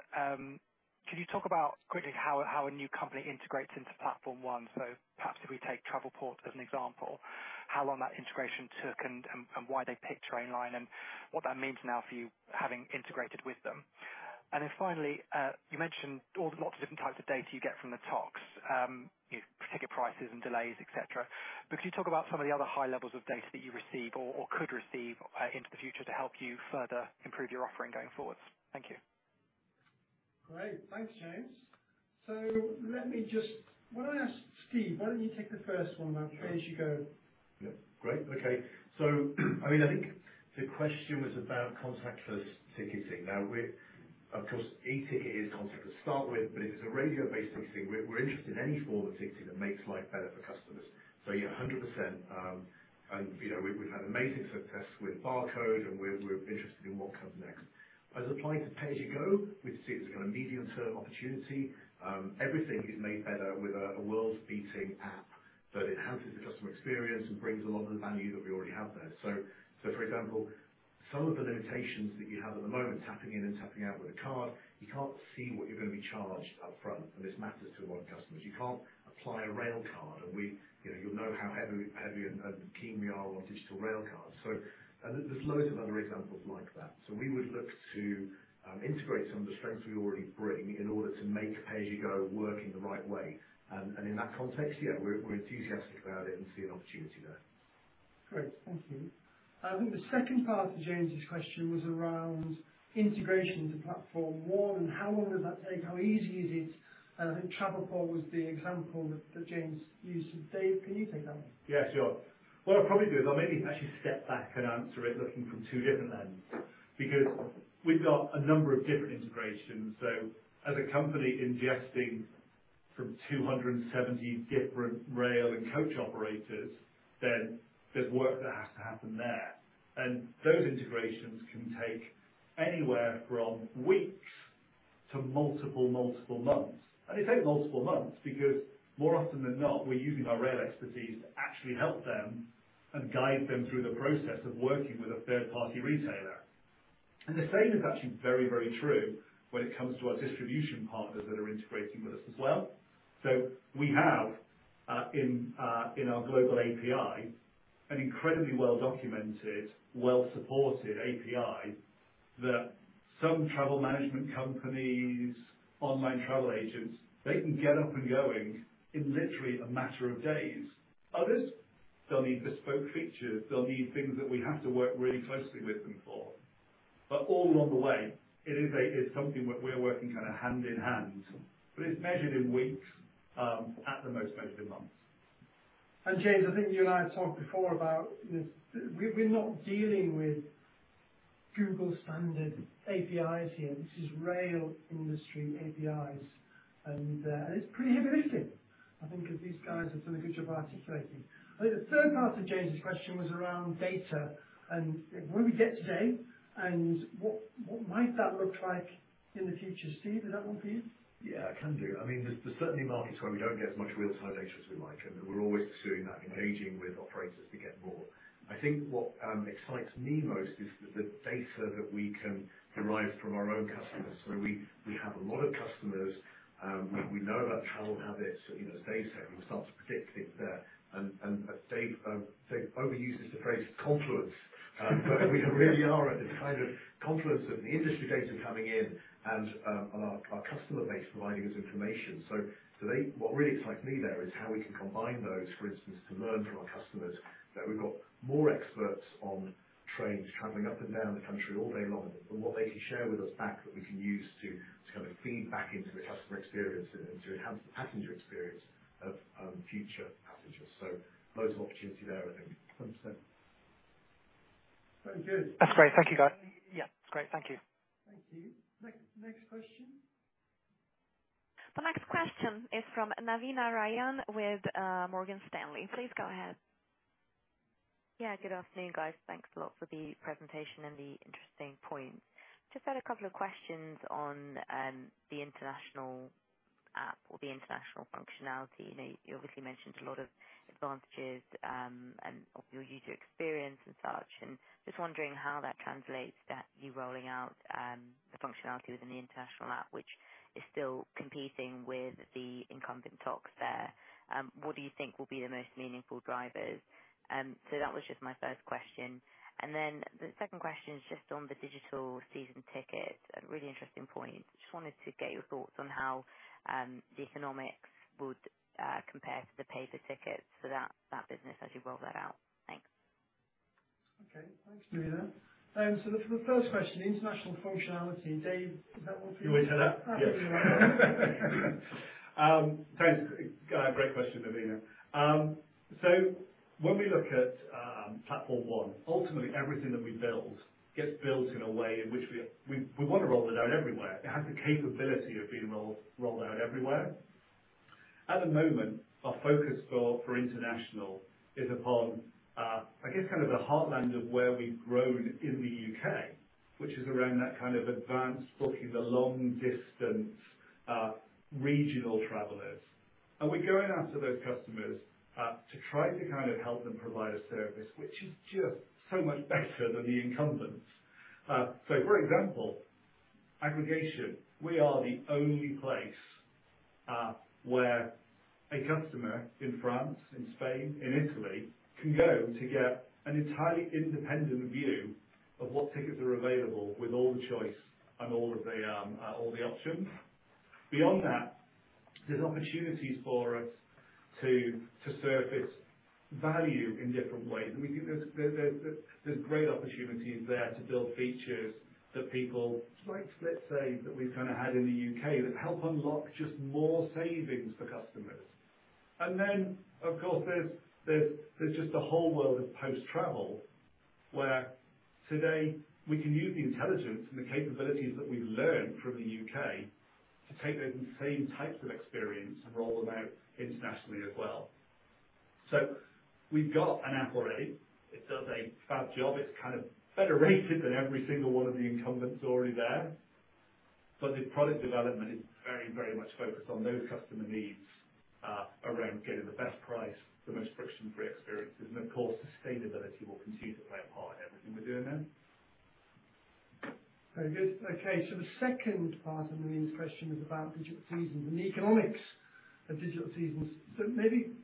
Speaker 8: Could you talk about quickly how a new company integrates into Platform One? Perhaps if we take Travelport as an example, how long that integration took and why they picked Trainline and what that means now for you having integrated with them. Finally, you mentioned all the lots of different types of data you get from the TOCs, you know, ticket prices and delays, et cetera. Can you talk about some of the other high levels of data that you receive or could receive into the future to help you further improve your offering going forwards? Thank you.
Speaker 1: Great. Thanks, James. Why don't I ask Steve? Why don't you take the first one about pay-as-you-go?
Speaker 3: Yeah. Great. Okay. I mean, I think the question was about contactless ticketing. Of course e-ticket is contactless to start with, but if it's a radio-based ticketing, we're interested in any form of ticketing that makes life better for customers. Yeah, 100%. You know, we've had amazing success with barcode and we're interested in what comes next. As applying to pay-as-you-go, we see it as kind of medium-term opportunity. Everything is made better with a world-beating app that enhances the customer experience and brings a lot of the value that we already have there. For example, some of the limitations that you have at the moment, tapping in and tapping out with a card, you can't see what you're going to be charged up front, and this matters to a lot of customers. You can't apply a rail card and we, you know, you'll know how heavy and keen we are on digital rail cards. There's loads of other examples like that. We would look to integrate some of the strengths we already bring in order to make pay-as-you-go work in the right way. In that context, yeah, we're enthusiastic about it and see an opportunity there.
Speaker 1: Great. Thank you. I think the second part of James's question was around integration into Platform One and how long does that take? How easy is it? I think Travelport was the example that James used. Dave, can you take that one?
Speaker 2: Yeah, sure. What I'll probably do is I'll maybe actually step back and answer it looking from two different ends, because we've got a number of different integrations. As a company ingesting from 270 different rail and coach operators, then there's work that has to happen there. Those integrations can take anywhere from weeks to multiple months. They take multiple months because more often than not, we're using our rail expertise to actually help them and guide them through the process of working with a third-party retailer. The same is actually very, very true when it comes to our distribution partners that are integrating with us as well. We have in our global API an incredibly well-documented, well-supported API that some travel management companies, online travel agents, they can get up and going in literally a matter of days. Others, they'll need bespoke features. They'll need things that we have to work really closely with them for. All along the way, it's something that we're working kind of hand in hand, but it's measured in weeks, at the most measured in months.
Speaker 1: James, I think you and I have talked before about this. We're not dealing with Google standard APIs here. This is rail industry APIs. It's pretty horrific, I think, as these guys have done a good job articulating. I think the third part of James' question was around data and where we get today and what might that look like in the future. Steve, is that one for you?
Speaker 3: Yeah, I can do. I mean, there's certainly markets where we don't get as much real-time data as we like, and we're always pursuing that, engaging with operators to get more. I think what excites me most is the data that we can derive from our own customers, where we have a lot of customers, we know their travel habits, you know, as data and we start to predict things there. Dave overuses the phrase confluence, but we really are at the kind of confluence of the industry data coming in and our customer base providing us information. What really excites me there is how we can combine those, for instance, to learn from our customers, that we've got more experts on trains traveling up and down the country all day long, and what they can share with us back that we can use to kind of feed back into the customer experience and to enhance the passenger experience of future passengers. Loads of opportunity there, I think.
Speaker 1: 100%. Very good.
Speaker 8: That's great. Thank you, guys. Yeah, great. Thank you.
Speaker 1: Thank you. Next question.
Speaker 7: The next question is from Navina Rajan with Morgan Stanley. Please go ahead.
Speaker 9: Yeah, good afternoon, guys. Thanks a lot for the presentation and the interesting points. Just had a couple of questions on the international app or the international functionality. You know, you obviously mentioned a lot of advantages and of your user experience and such, and just wondering how that translates that you're rolling out the functionality within the international app, which is still competing with the incumbent TOCs there. What do you think will be the most meaningful drivers? That was just my first question. The second question is just on the Digital Season Ticket. A really interesting point. Just wanted to get your thoughts on how the economics would compare to the pay-per-ticket for that business as you roll that out. Thanks.
Speaker 1: Okay, thanks, Navina. For the first question, international functionality. Dave, is that one for you?
Speaker 2: You wanna take that?
Speaker 1: I'll take that one.
Speaker 2: Thanks. Great question, Navina. So when we look at Platform One, ultimately everything that we build gets built in a way in which we wanna roll it out everywhere. It has the capability of being rolled out everywhere. At the moment, our focus for international is upon I guess kind of the heartland of where we've grown in the U.K., which is around that kind of advanced booking, the long-distance regional travelers. We're going after those customers to try to kind of help them provide a service which is just so much better than the incumbents. So for example, aggregation. We are the only place where a customer in France, in Spain, in Italy, can go to get an entirely independent view of what tickets are available with all the choice and all the options. Beyond that, there's opportunities for us to surface value in different ways. We think there's great opportunities there to build features that people like SplitSave that we've kinda had in the U.K. that help unlock just more savings for customers. Then, of course, there's just a whole world of post-travel where today we can use the intelligence and the capabilities that we've learned from the U.K. to take those same types of experience and roll them out internationally as well. We've got an app already. It does a fab job. It's kind of better rated than every single one of the incumbents already there. The product development is very, very much focused on those customer needs, around getting the best price, the most friction-free experiences, and of course, sustainability will continue to play a part in everything we're doing there.
Speaker 1: Very good. Okay, the second part of Navina's question is about digital seasons and the economics of digital seasons. Maybe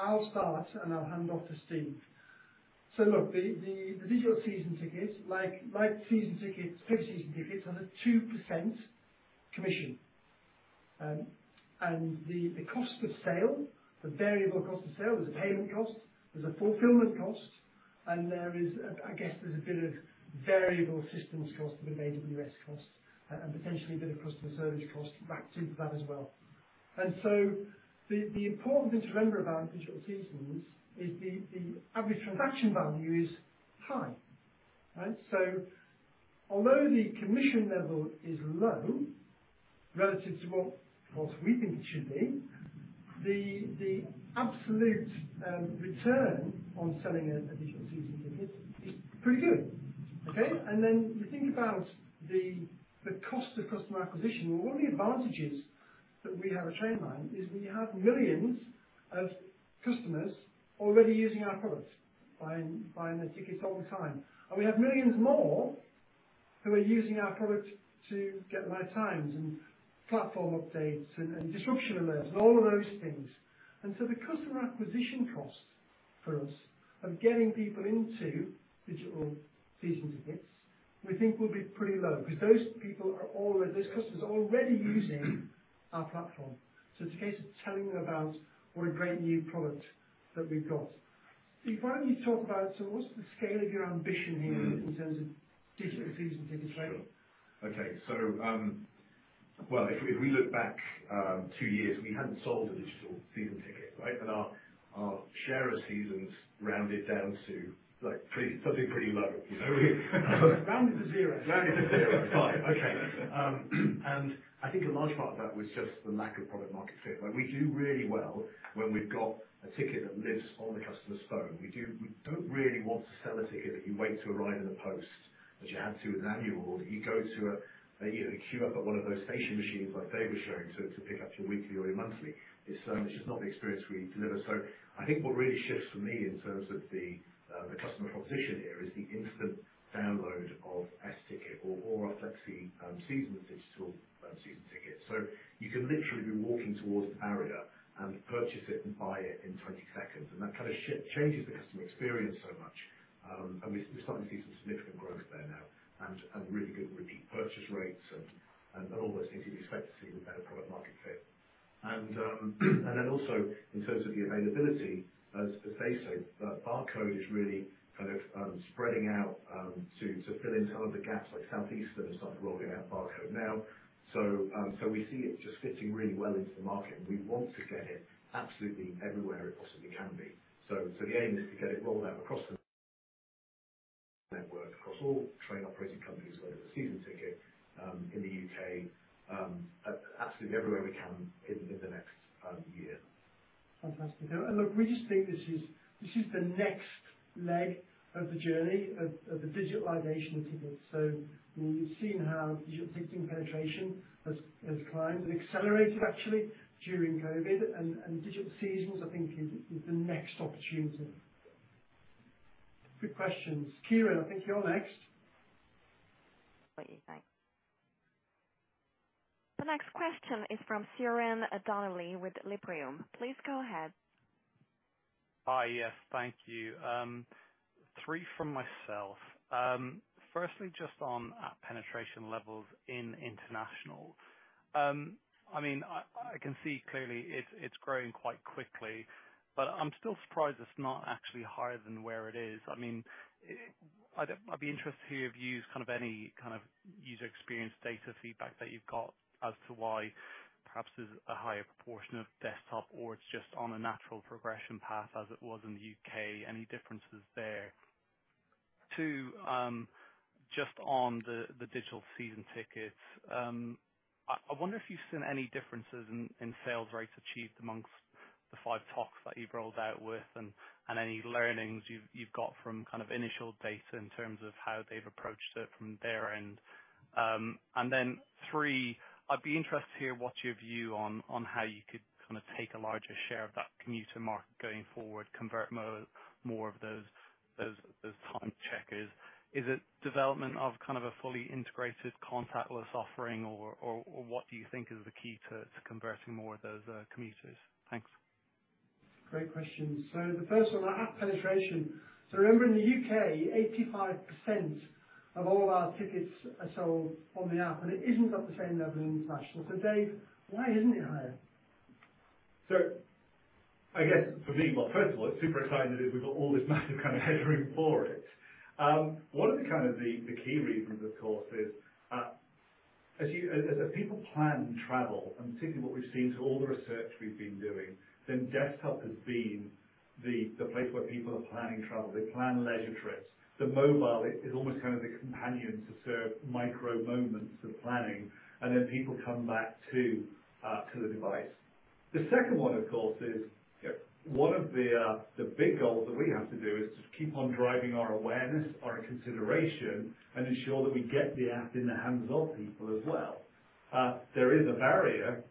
Speaker 1: I'll start, and I'll hand off to Steve. Look, the Digital Season Ticket, like season tickets, paper season tickets on a 2% commission. The cost of sale, the variable cost of sale, there's a payment cost, there's a fulfillment cost, and there is, I guess, a bit of variable systems cost and AWS cost, and potentially a bit of customer service cost wrapped into that as well. The important thing to remember about digital seasons is the average transaction value is high. Right? Although the commission level is low relative to what we think it should be, the absolute return on selling a Digital Season Ticket is pretty good. Okay? You think about the cost of customer acquisition. One of the advantages that we have at Trainline is we have millions of customers already using our product, buying their tickets all the time. We have millions more who are using our product to get live times and platform updates and disruption alerts and all of those things. The customer acquisition cost for us of getting people into Digital Season Ticket, we think will be pretty low because those customers are already using our platform. It's a case of telling them about what a great new product that we've got. Steve, why don't you talk about so what's the scale of your ambition here in terms of Digital Season Ticket? Right.
Speaker 3: Sure. Okay. Well, if we look back two years, we hadn't sold a Digital Season Ticket, right? Our share of seasons rounded down to like something pretty low.
Speaker 1: Rounded to zero.
Speaker 3: Rounded to zero. Fine. Okay. I think a large part of that was just the lack of product market fit, where we do really well when we've got a ticket that lives on the customer's phone. We don't really want to sell a ticket that you wait to arrive in the post, which you had to with annual, or you go to a, you know, queue up at one of those station machines like Dave was showing to pick up your weekly or your monthly. It's just not the experience we deliver. I think what really shifts for me in terms of the customer proposition here is the instant download of sTicket or our Flexi Season digital season ticket. You can literally be walking towards the barrier and purchase it and buy it in 20 seconds. That kind of shift changes the customer experience so much. We're starting to see some significant growth there now and all those things you'd expect to see with better product market fit. Then also in terms of the availability, as Dave said, that barcode is really kind of spreading out to fill in some of the gaps. Like Southeastern has started rolling out barcode now. We see it just fitting really well into the market, and we want to get it absolutely everywhere it possibly can be. The aim is to get it rolled out across the network, across all train operating companies, whether it's a season ticket in the U.K., absolutely everywhere we can in the next year.
Speaker 1: Fantastic. Look, we just think this is the next leg of the journey of the digitalization of ticketing. We've seen how digital ticketing penetration has climbed and accelerated actually during COVID and digital seasons I think is the next opportunity. Good questions. Ciarán, I think you're next.
Speaker 7: Wait. Thanks. The next question is from Ciarán Donnelly with Liberum. Please go ahead.
Speaker 10: Hi. Yes. Thank you. Three from myself. Firstly, just on our penetration levels in International. I mean, I can see clearly it's growing quite quickly, but I'm still surprised it's not actually higher than where it is. I mean, I'd be interested to hear your views, kind of any kind of user experience data feedback that you've got as to why perhaps there's a higher proportion of desktop or it's just on a natural progression path as it was in the U.K. Any differences there? Two, just on the Digital Season Ticket. I wonder if you've seen any differences in sales rates achieved amongst the five TOCs that you've rolled out with and any learnings you've got from kind of initial data in terms of how they've approached it from their end. Three, I'd be interested to hear what's your view on how you could kind of take a larger share of that commuter market going forward, convert more of those time checkers. Is it development of kind of a fully integrated contactless offering or what do you think is the key to converting more of those commuters? Thanks.
Speaker 1: Great questions. The first one, our app penetration. Remember in the U.K., 85% of all of our tickets are sold on the app, and it isn't at the same level in international. Dave, why isn't it higher?
Speaker 2: Well, first of all, it's super exciting that we've got all this massive kind of headroom for it. One of the kind of key reasons, of course, is as people plan travel, and particularly what we've seen through all the research we've been doing, then desktop has been the place where people are planning travel. They plan leisure trips. The mobile is almost kind of the companion to serve micro moments of planning, and then people come back to the device. The second one, of course, is one of the big goals that we have to do is to keep on driving our awareness, our consideration, and ensure that we get the app in the hands of people as well. There is a barrier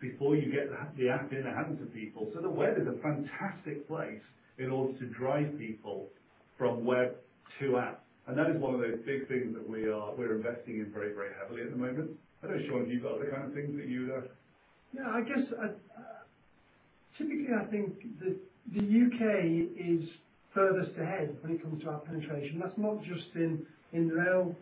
Speaker 2: before you get the app in the hands of people, so the web is a fantastic place in order to drive people from web to app. That is one of those big things that we're investing in very, very heavily at the moment. I don't know, Shaun, have you got other kind of things that you'd like?
Speaker 1: Yeah, I guess, typically I think the U.K. is furthest ahead when it comes to our penetration. That's not just in the rail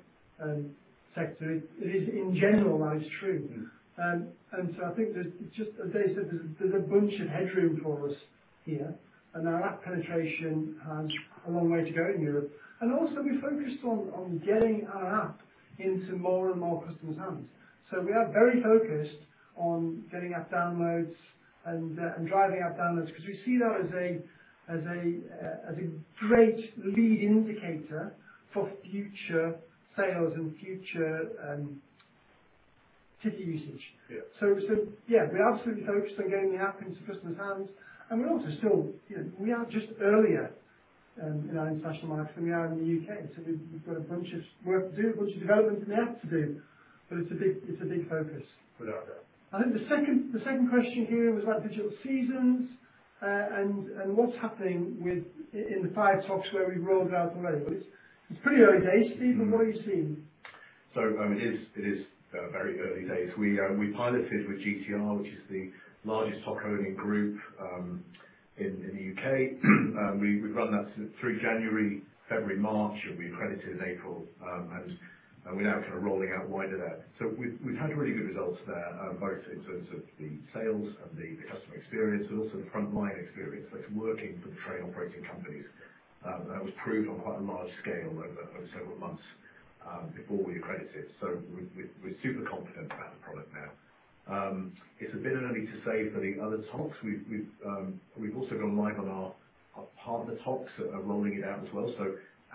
Speaker 1: sector. It is in general that is true. I think there's just as Dave said, there's a bunch of headroom for us here, and our app penetration has a long way to go in Europe. We focused on getting our app into more and more customers' hands. We are very focused on getting app downloads and driving app downloads because we see that as a great lead indicator for future sales and future ticket usage.
Speaker 2: Yeah.
Speaker 1: Yeah, we're absolutely focused on getting the app into customers' hands, and we're also still, you know, we are just earlier, you know, in international markets than we are in the U.K. We've got a bunch of work to do, a bunch of development in the app to do, but it's a big focus.
Speaker 2: Without a doubt.
Speaker 1: I think the second question here was about digital seasons, and what's happening within the five TOCs where we've rolled out already. It's pretty early days. Steve, what are you seeing?
Speaker 3: It is very early days. We piloted with GTR, which is the largest TOC-owning group in the U.K. We've run that through January, February, March, and we accredited April, and we're now kind of rolling out wider there. We've had really good results there, both in terms of the sales and the customer experience, but also the frontline experience. It's working for the train operating companies. That was proved on quite a large scale over several months before we accredited. We're super confident about the product now. It's a bit early to say for the other TOCs. We've also gone live. Our partner TOCs are rolling it out as well.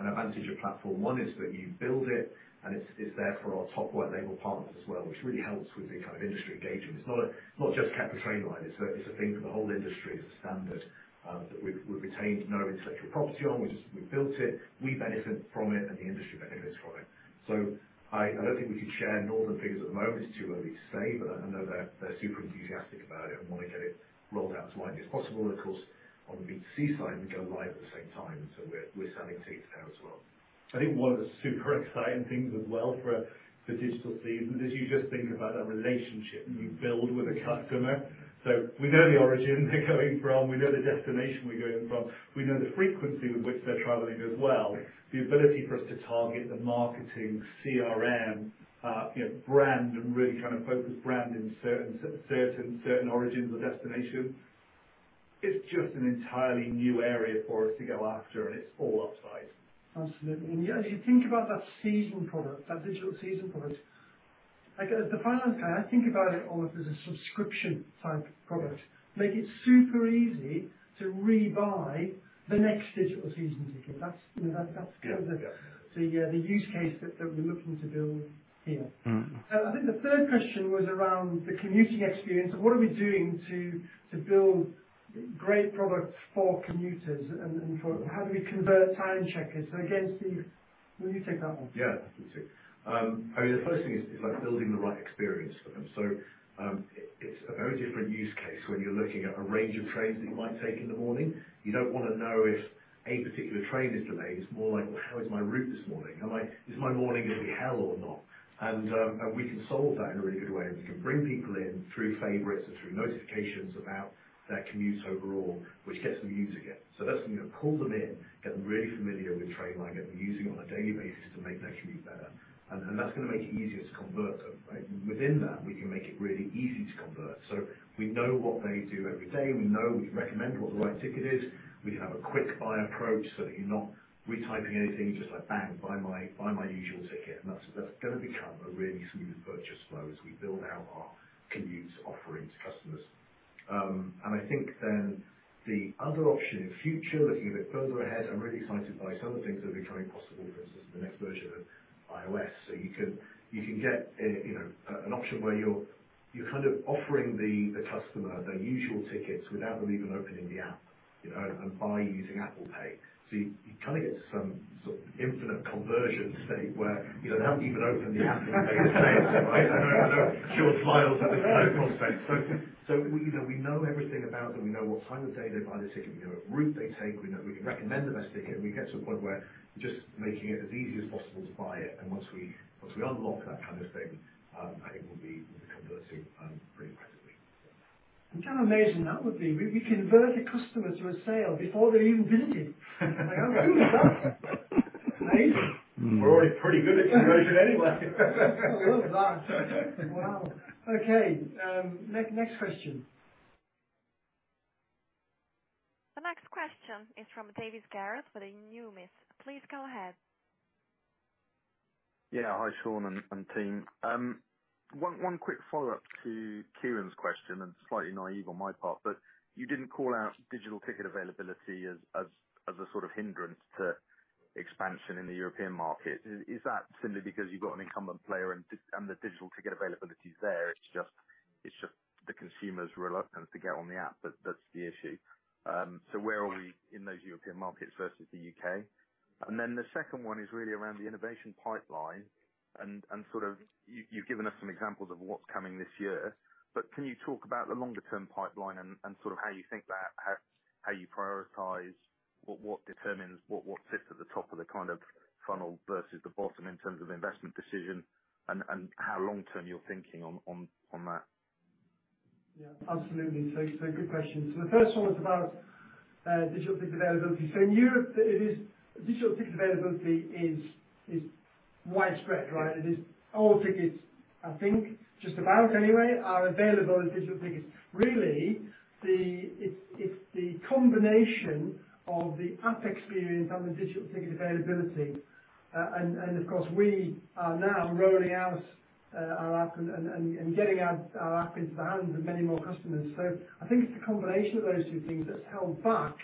Speaker 3: An advantage of Platform One is that you build it, and it's there for our top white label partners as well, which really helps with the kind of industry engagement. It's not just Trainline. It's a thing for the whole industry. It's a standard that we've retained no intellectual property on. We just built it, we benefit from it, and the industry benefits from it. I don't think we can share Northern figures at the moment. It's too early to say, but I know they're super enthusiastic about it and want to get it rolled out as widely as possible. Of course, on the B2C side, we go live at the same time, so we're selling tickets there as well.
Speaker 2: I think one of the super exciting things as well for digital season is you just think about that relationship you build with the customer. We know the origin they're coming from. We know the destination we're going from. We know the frequency with which they're traveling as well. The ability for us to target the marketing CRM, you know, brand and really kind of focus brand in certain origins or destination. It's just an entirely new area for us to go after, and it's all upside.
Speaker 1: Absolutely. Yeah, as you think about that season product, that digital season product, like as the finance guy, I think about it almost as a subscription type product. Make it super easy to rebuy the next digital season ticket. That's, you know. The use case that we're looking to build here. I think the third question was around the commuting experience. What are we doing to build great products for commuters? How do we convert time checkers? Again, Steve, will you take that one?
Speaker 3: Yeah. I can take it. I mean, the first thing is about building the right experience for them. It's a very different use case when you're looking at a range of trains that you might take in the morning. You don't wanna know if a particular train is delayed. It's more like, "Well, how is my route this morning? Is my morning going to be hell or not?" We can solve that in a really good way, and we can bring people in through favorites and through notifications about their commutes overall. That's gonna pull them in, get them really familiar with Trainline, get them using it on a daily basis to make their commute better. That's gonna make it easier to convert them, right? Within that, we can make it really easy to convert. We know what they do every day. We recommend what the right ticket is. We have a quick buy approach so that you're not retyping anything. Just like, bang, buy my usual ticket. That's gonna become a really smooth purchase flow as we build out our commutes offering to customers. I think then the other option in future, looking a bit further ahead, I'm really excited by some of the things that are becoming possible, for instance, the next version of iOS. You can get a, you know, an option where you're kind of offering the customer their usual tickets without them even opening the app, you know, and by using Apple Pay. You kind of get to some sort of infinite conversion state where, you know, they haven't even opened the app and they've paid us. Right? A pure smile to no prospect. You know, we know everything about them. We know what time of day they buy the ticket. We know what route they take. We can recommend the best ticket, and we get to a point where we're just making it as easy as possible to buy it. Once we unlock that kind of thing, it will be converting pretty impressively.
Speaker 1: How amazing that would be. We convert a customer to a sale before they even visit it. Like, how good is that? Right?
Speaker 2: We're already pretty good at conversion anyway.
Speaker 1: We're good. Wow. Okay, next question.
Speaker 7: The next question is from Gareth Davies with Numis. Please go ahead.
Speaker 11: Yeah. Hi, Shaun and team. One quick follow-up to Ciarán's question, and slightly naive on my part, but you didn't call out digital ticket availability as a sort of hindrance to expansion in the European market. Is that simply because you've got an incumbent player and the digital ticket availability is there? It's just the consumer's reluctance to get on the app that's the issue. Where are we in those European markets versus the U.K.? The second one is really around the innovation pipeline and sort of you've given us some examples of what's coming this year, but can you talk about the longer term pipeline and sort of how you prioritize, what determines, what sits at the top of the kind of funnel versus the bottom in terms of investment decision and how long-term you're thinking on that?
Speaker 1: Yeah, absolutely. Good question. The first one was about digital ticket availability. In Europe digital ticket availability is widespread, right? It is all tickets, I think, just about anyway, are available as digital tickets. Really the combination of the app experience and the digital ticket availability. Of course, we are now rolling out our app and getting our app into the hands of many more customers. I think it's the combination of those two things that's held back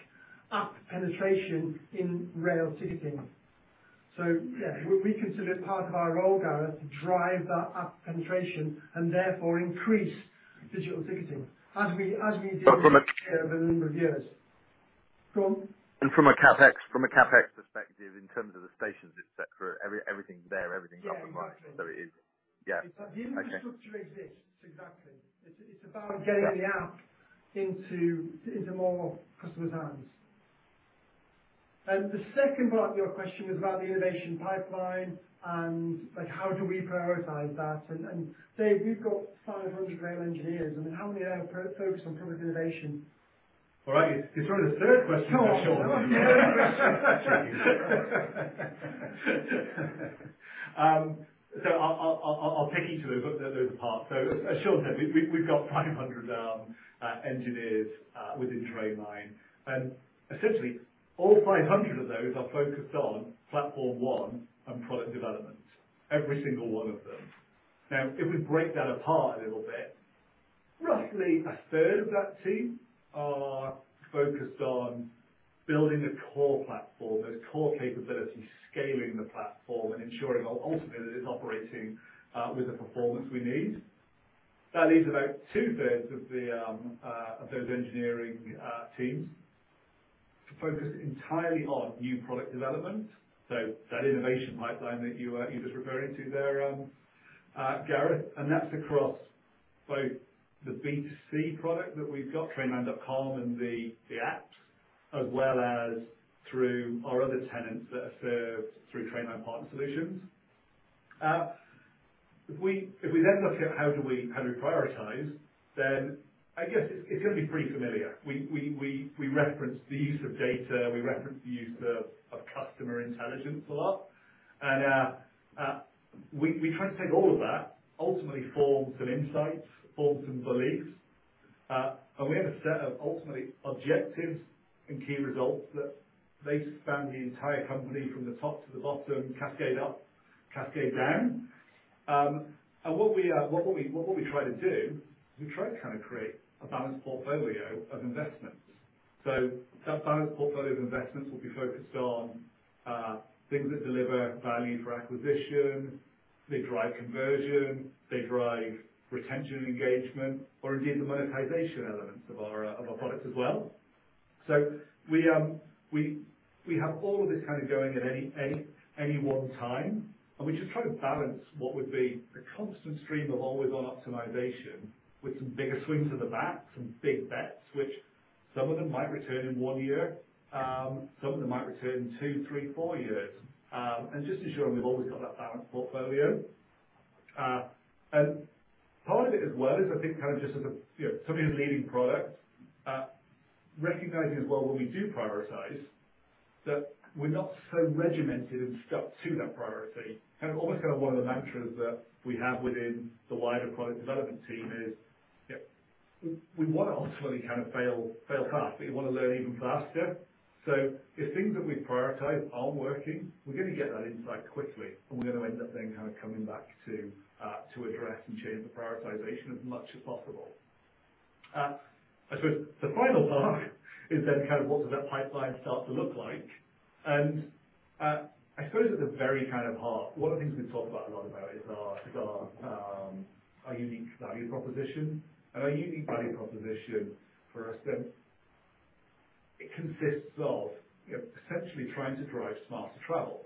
Speaker 1: app penetration in rail ticketing. Yeah, we consider it part of our role, Gareth, to drive that app penetration and therefore increase digital ticketing as we.
Speaker 11: But from a-
Speaker 1: Over the number of years. From?
Speaker 11: From a CapEx perspective in terms of the stations, et cetera, everything's there, everything's up and running.
Speaker 1: Yeah, exactly.
Speaker 11: It is. Yeah. Okay.
Speaker 1: The infrastructure exists. Exactly. It's about getting the app into more customers' hands. The second part of your question was about the innovation pipeline and, like, how do we prioritize that? Dave, we've got 500 rail engineers. I mean, how many are focused on product innovation?
Speaker 2: All right. It's sort of the third question. I'll take each of those apart. As Shaun said, we've got 500 engineers within Trainline, and essentially all 500 of those are focused on Platform One and product development. Every single one of them. Now, if we break that apart a little bit, roughly a third of that team are focused on building the core platform, those core capabilities, scaling the platform and ensuring ultimately that it's operating with the performance we need. That leaves about two thirds of those engineering teams to focus entirely on new product development. That innovation pipeline that you were just referring to there, Gareth, and that's across both the B2C product that we've got, Trainline.com and the apps, as well as through our other tenants that are served through Trainline Partner Solutions. If we then look at how do we prioritize, then I guess it's gonna be pretty familiar. We reference the use of data. We reference the use of customer intelligence a lot. We try and take all of that, ultimately form some insights, form some beliefs, and we have a set of ultimate objectives and key results that they span the entire company from the top to the bottom, cascade up, cascade down. What we try to do is we try to kind of create a balanced portfolio of investments. That balanced portfolio of investments will be focused on things that deliver value for acquisition. They drive conversion. They drive retention and engagement or indeed the monetization elements of our products as well. We have all of this kind of going at any one time, and we just try to balance what would be the constant stream of always-on optimization with some bigger swings of the bat, some big bets, which some of them might return in one year, some of them might return in two, three, four years. Just ensuring we've always got that balanced portfolio. Part of it as well is I think kind of just as a, you know, somebody who's leading product, recognizing as well when we do prioritize, that we're not so regimented and stuck to that priority. Almost kind of one of the mantras that we have within the wider product development team is, you know, we wanna ultimately kind of fail fast, but you wanna learn even faster. If things that we prioritize aren't working, we're gonna get that insight quickly, and we're gonna end up then kind of coming back to address and change the prioritization as much as possible. I suppose the final part is then kind of what does that pipeline start to look like? I suppose at the very kind of heart, one of the things we talk about a lot is our unique value proposition. Our unique value proposition for us then it consists of, you know, essentially trying to drive smarter travel.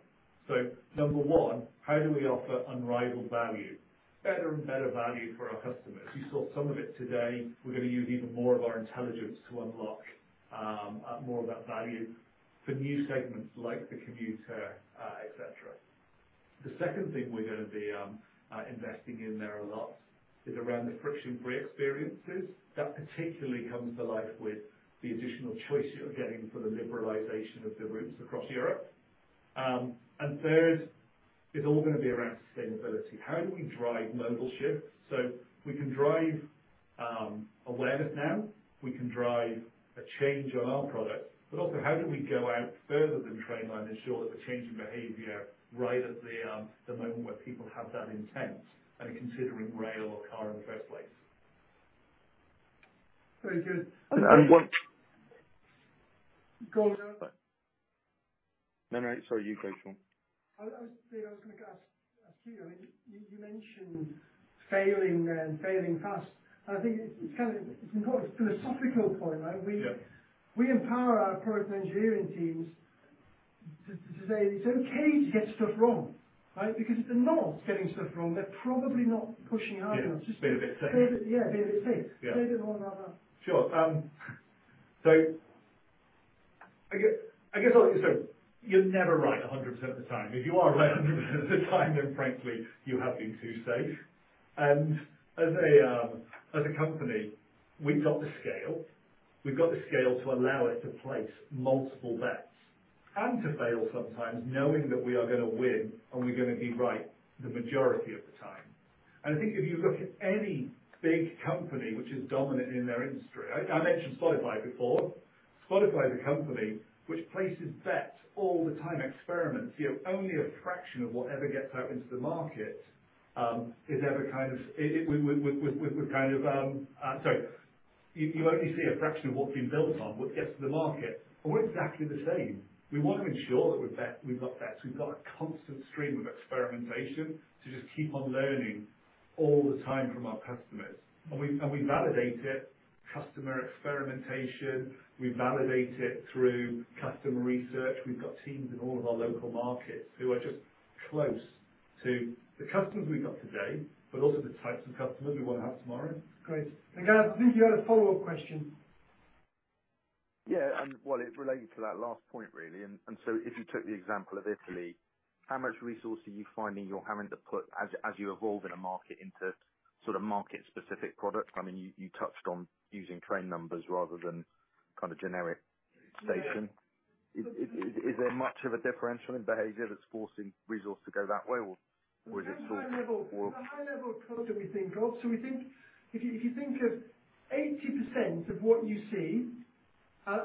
Speaker 2: Number one, how do we offer unrivaled value, better and better value for our customers? You saw some of it today. We're gonna use even more of our intelligence to unlock more of that value for new segments like the commuter, et cetera. The second thing we're gonna be investing in there a lot is around the friction-free experiences. That particularly comes to life with the additional choice you're getting for the liberalization of the routes across Europe. Third is all gonna be around sustainability. How do we drive modal shifts? We can drive awareness now. We can drive a change on our product, but also how do we go out further than Trainline ensure that the change in behavior right at the moment where people have that intent and are considering rail or car in the first place.
Speaker 1: Very good.
Speaker 2: And I want-
Speaker 1: Goldilocks.
Speaker 2: No, no. Sorry, you go, Shaun.
Speaker 1: Dave, I was gonna ask you. I mean, you mentioned failing and failing fast. I think it's kind of an important philosophical point, right?
Speaker 2: Yeah.
Speaker 1: We empower our product engineering teams to say it's okay to get stuff wrong, right? Because if they're not getting stuff wrong, they're probably not pushing hard enough.
Speaker 2: Yeah. Just being a bit safe.
Speaker 1: Yeah, play a bit safe.
Speaker 2: Yeah.
Speaker 1: Play a bit more rather.
Speaker 2: Sure. I guess I'll say you're never right 100% of the time. If you are right 100% of the time, then frankly you have been too safe. As a company, we've got the scale. We've got the scale to allow us to place multiple bets and to fail sometimes knowing that we are gonna win and we're gonna be right the majority of the time. I think if you look at any big company which is dominant in their industry, I mentioned Spotify before. Spotify is a company which places bets all the time, experiments. You know, only a fraction of whatever gets out into the market is ever kind of... Sorry, you only see a fraction of what we've built on, what gets to the market. We're exactly the same. We want to ensure that we've got bets. We've got a constant stream of experimentation to just keep on learning all the time from our customers. We validate it, customer experimentation. We validate it through customer research. We've got teams in all of our local markets who are just close to the customers we've got today, but also the types of customers we wanna have tomorrow.
Speaker 1: Great. Davies, I think you had a follow-up question.
Speaker 11: Yeah. Well, it related to that last point, really. If you took the example of Italy, how much resource are you finding you're having to put as you evolve in a market into sort of market specific products? I mean, you touched on using train numbers rather than kind of generic station. Is there much of a differential in behavior that's forcing resource to go that way or is it sort of-
Speaker 1: From a high level approach that we think of. We think if you think of 80% of what you see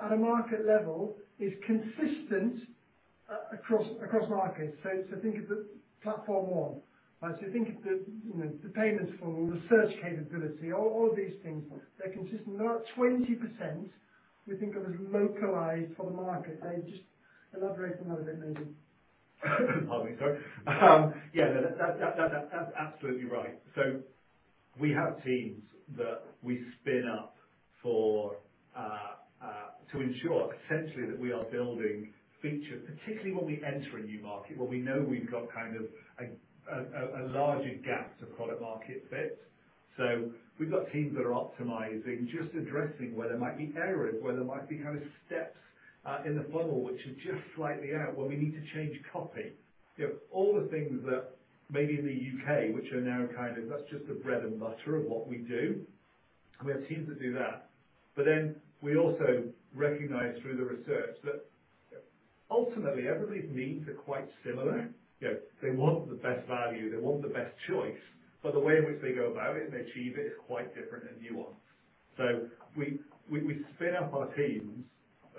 Speaker 1: at a market level is consistent across markets. Think of the Platform One, right? Think of the, you know, the payments funnel, the search capability, all of these things. They're consistent. About 20% we think of as localized for the market. Dave, just elaborate on that a bit maybe.
Speaker 2: Pardon me. Sorry. Yeah, that's absolutely right. We have teams that we spin up for to ensure essentially that we are building features, particularly when we enter a new market, when we know we've got kind of a larger gap to product market fit. We've got teams that are optimizing, just addressing where there might be errors, where there might be kind of steps in the funnel which are just slightly out, where we need to change copy. You know, all the things that maybe in the U.K. which are now kind of, that's just the bread and butter of what we do. We have teams that do that. We also recognize through the research that ultimately everybody's needs are quite similar. You know, they want the best value, they want the best choice, but the way in which they go about it and they achieve it is quite different and nuanced. We spin up our teams,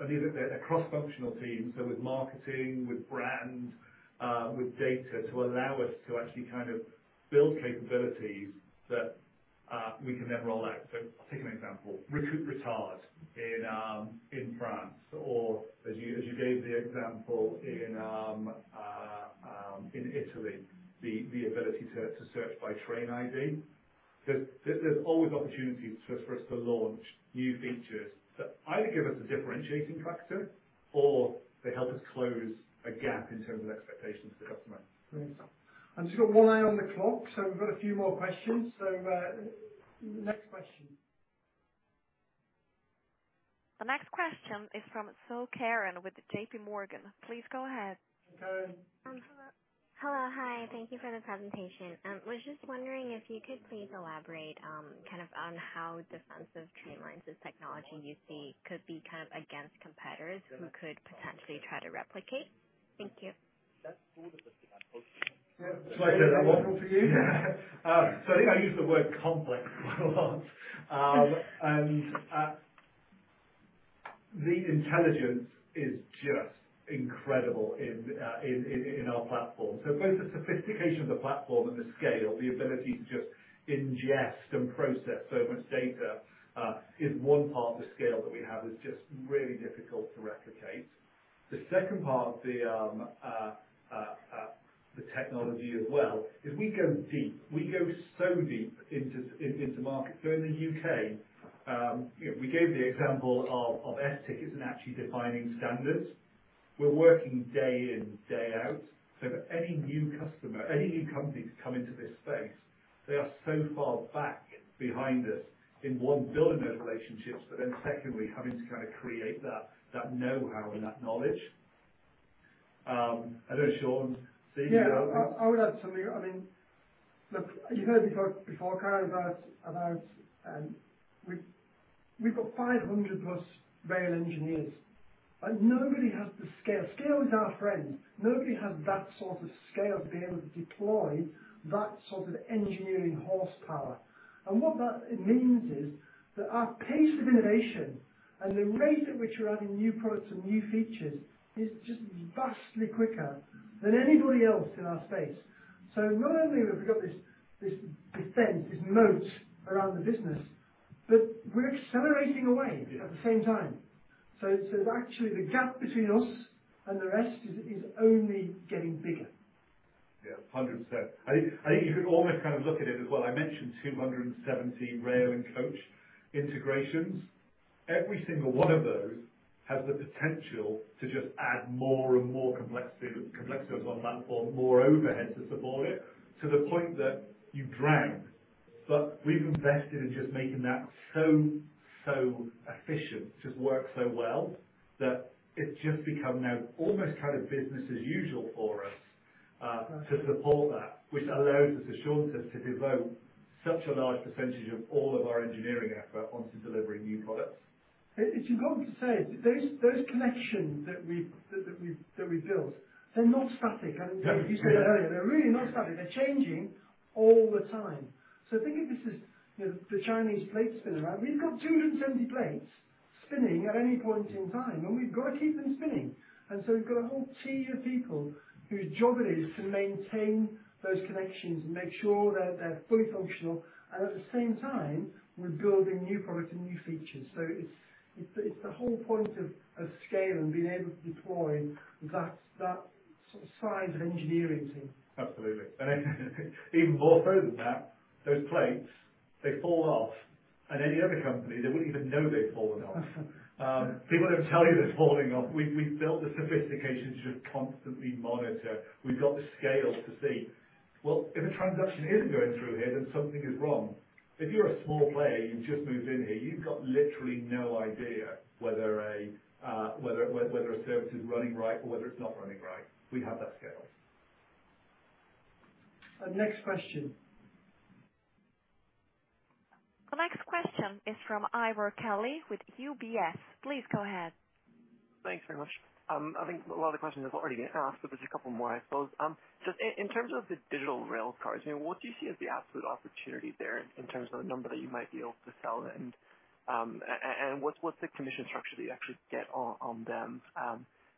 Speaker 2: and these are. They're cross-functional teams, so with marketing, with brand, with data, to allow us to actually kind of build capabilities that we can then roll out. I'll take an example. Retours in France or as you gave the example in Italy, the ability to search by train ID. There's always opportunities for us to launch new features that either give us a differentiating factor or they help us close a gap in terms of expectations for the customer.
Speaker 1: Great. I've just got one eye on the clock, so we've got a few more questions. Next question.
Speaker 7: The next question is from Saurabh Kumar with JPMorgan. Please go ahead.
Speaker 12: Hello. Hi. Thank you for the presentation. Was just wondering if you could please elaborate, kind of on how defensive Trainline's technology you see could be kind of against competitors who could potentially try to replicate. Thank you.
Speaker 2: Shall I take that one for you? I think I used the word complex quite a lot. The intelligence is just incredible in our platform. Both the sophistication of the platform and the scale, the ability to just ingest and process so much data, is one part of the scale that we have. It's just really difficult to replicate. The second part of the technology as well is we go deep. We go so deep into market. In the U.K., you know, we gave the example of F tickets and actually defining standards. We're working day in, day out. Any new customer, any new company to come into this space, they are so far back behind us in one, building those relationships, but then secondly, having to kind of create that know-how and that knowledge. I know Shaun's seen it.
Speaker 1: Yeah. I would add something. I mean, look, you heard before, Kumar, about we've got 500+ rail engineers, and nobody has the scale. Scale is our friend. Nobody has that sort of scale to be able to deploy that sort of engineering horsepower. What that means is that our pace of innovation and the rate at which we're adding new products and new features is just vastly quicker than anybody else in our space. Not only have we got this defense, this moat around the business, but we're accelerating away at the same time. Actually, the gap between us and the rest is only getting bigger.
Speaker 2: Yeah, 100%. I think you could almost kind of look at it as well. I mentioned 270 rail and coach integrations. Every single one of those has the potential to just add more and more complexity, complexities on that or more overhead to support it to the point that you drown. We've invested in just making that so efficient, just work so well, that it's just become now almost kind of business as usual for us. To support that, which allows us, as Shaun says, to devote such a large percentage of all of our engineering effort onto delivering new products.
Speaker 1: It's important to say those connections that we've built. They're not static. You said it earlier, they're really not static. They're changing all the time. Think of this as, you know, the Chinese plates spinning around. We've got 270 plates spinning at any point in time, and we've got to keep them spinning. We've got a whole team of people whose job it is to maintain those connections and make sure that they're fully functional. At the same time, we're building new products and new features. It's the whole point of scale and being able to deploy that sort of size of engineering team.
Speaker 2: Absolutely. Even more so than that, those plates, they fall off, and any other company, they wouldn't even know they'd fallen off. People don't tell you they're falling off. We've built the sophistication to just constantly monitor. We've got the scale to see. Well, if a transaction isn't going through here, then something is wrong. If you're a small player, you've just moved in here, you've got literally no idea whether a service is running right or whether it's not running right. We have that scale.
Speaker 1: Next question.
Speaker 7: The next question is from Ivar Billfalk-Kelly with UBS. Please go ahead.
Speaker 13: Thanks very much. I think a lot of the questions have already been asked, but there's a couple more, I suppose. Just in terms of the Digital Railcard, you know, what do you see as the absolute opportunity there in terms of the number that you might be able to sell? And, and what's the commission structure that you actually get on them?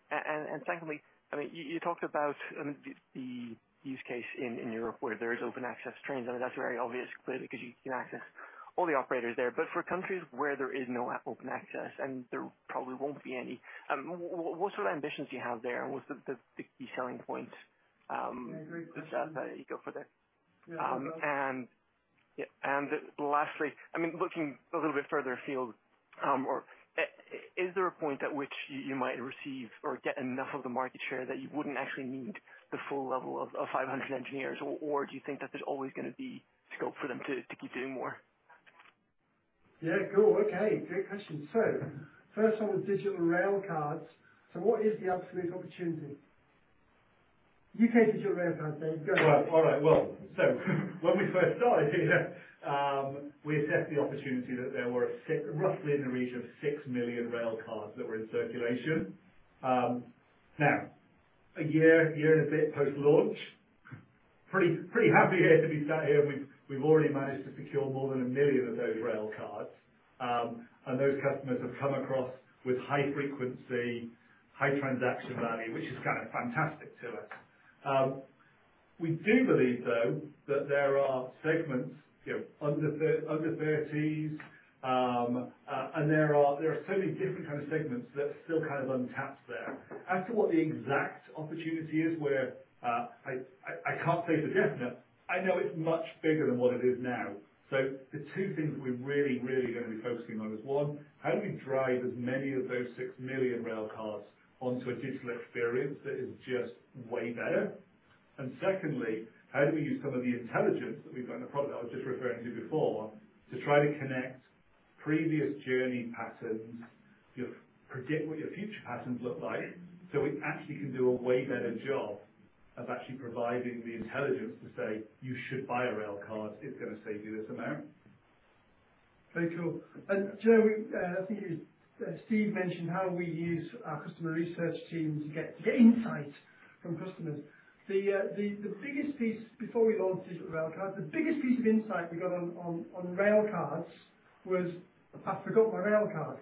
Speaker 13: And secondly, I mean, you talked about, I mean, the use case in Europe where there is open access trains. I mean, that's very obvious clearly 'cause you can access all the operators there. But for countries where there is no open access, and there probably won't be any, what sort of ambitions do you have there? And what's the key selling point.
Speaker 1: Yeah, great question.
Speaker 13: For that? You go for it. Lastly, I mean, looking a little bit further afield, or is there a point at which you might receive or get enough of the market share that you wouldn't actually need the full level of 500 engineers? Or do you think that there's always gonna be scope for them to keep doing more?
Speaker 1: Yeah. Cool. Okay. Great question. First on Digital Railcard. What is the absolute opportunity? U.K. Digital Railcard. Dave, go.
Speaker 2: All right. When we first started here, we assessed the opportunity that there were roughly in the region of six million railcards that were in circulation. Now, a year and a bit post-launch, pretty happy here to be sat here, and we've already managed to secure more than one million of those railcards. And those customers have come across with high frequency, high transaction value, which is kind of fantastic to us. We do believe, though, that there are segments, you know, under 30s, and there are so many different kind of segments that are still kind of untapped there. As to what the exact opportunity is, I can't say for definite. I know it's much bigger than what it is now. The two things that we're really, really gonna be focusing on is, one, how do we drive as many of those six million railcards onto a digital experience that is just way better? Secondly, how do we use some of the intelligence that we've got in the product I was just referring to before to try to connect previous journey patterns, predict what your future patterns look like, so we actually can do a way better job of actually providing the intelligence to say, "You should buy a railcard. It's gonna save you this amount.
Speaker 1: Very cool. Do you know, I think it was Steve mentioned how we use our customer research team to get insight from customers. The biggest piece of insight we got on railcards before we launched Digital Railcard was I forgot my railcard.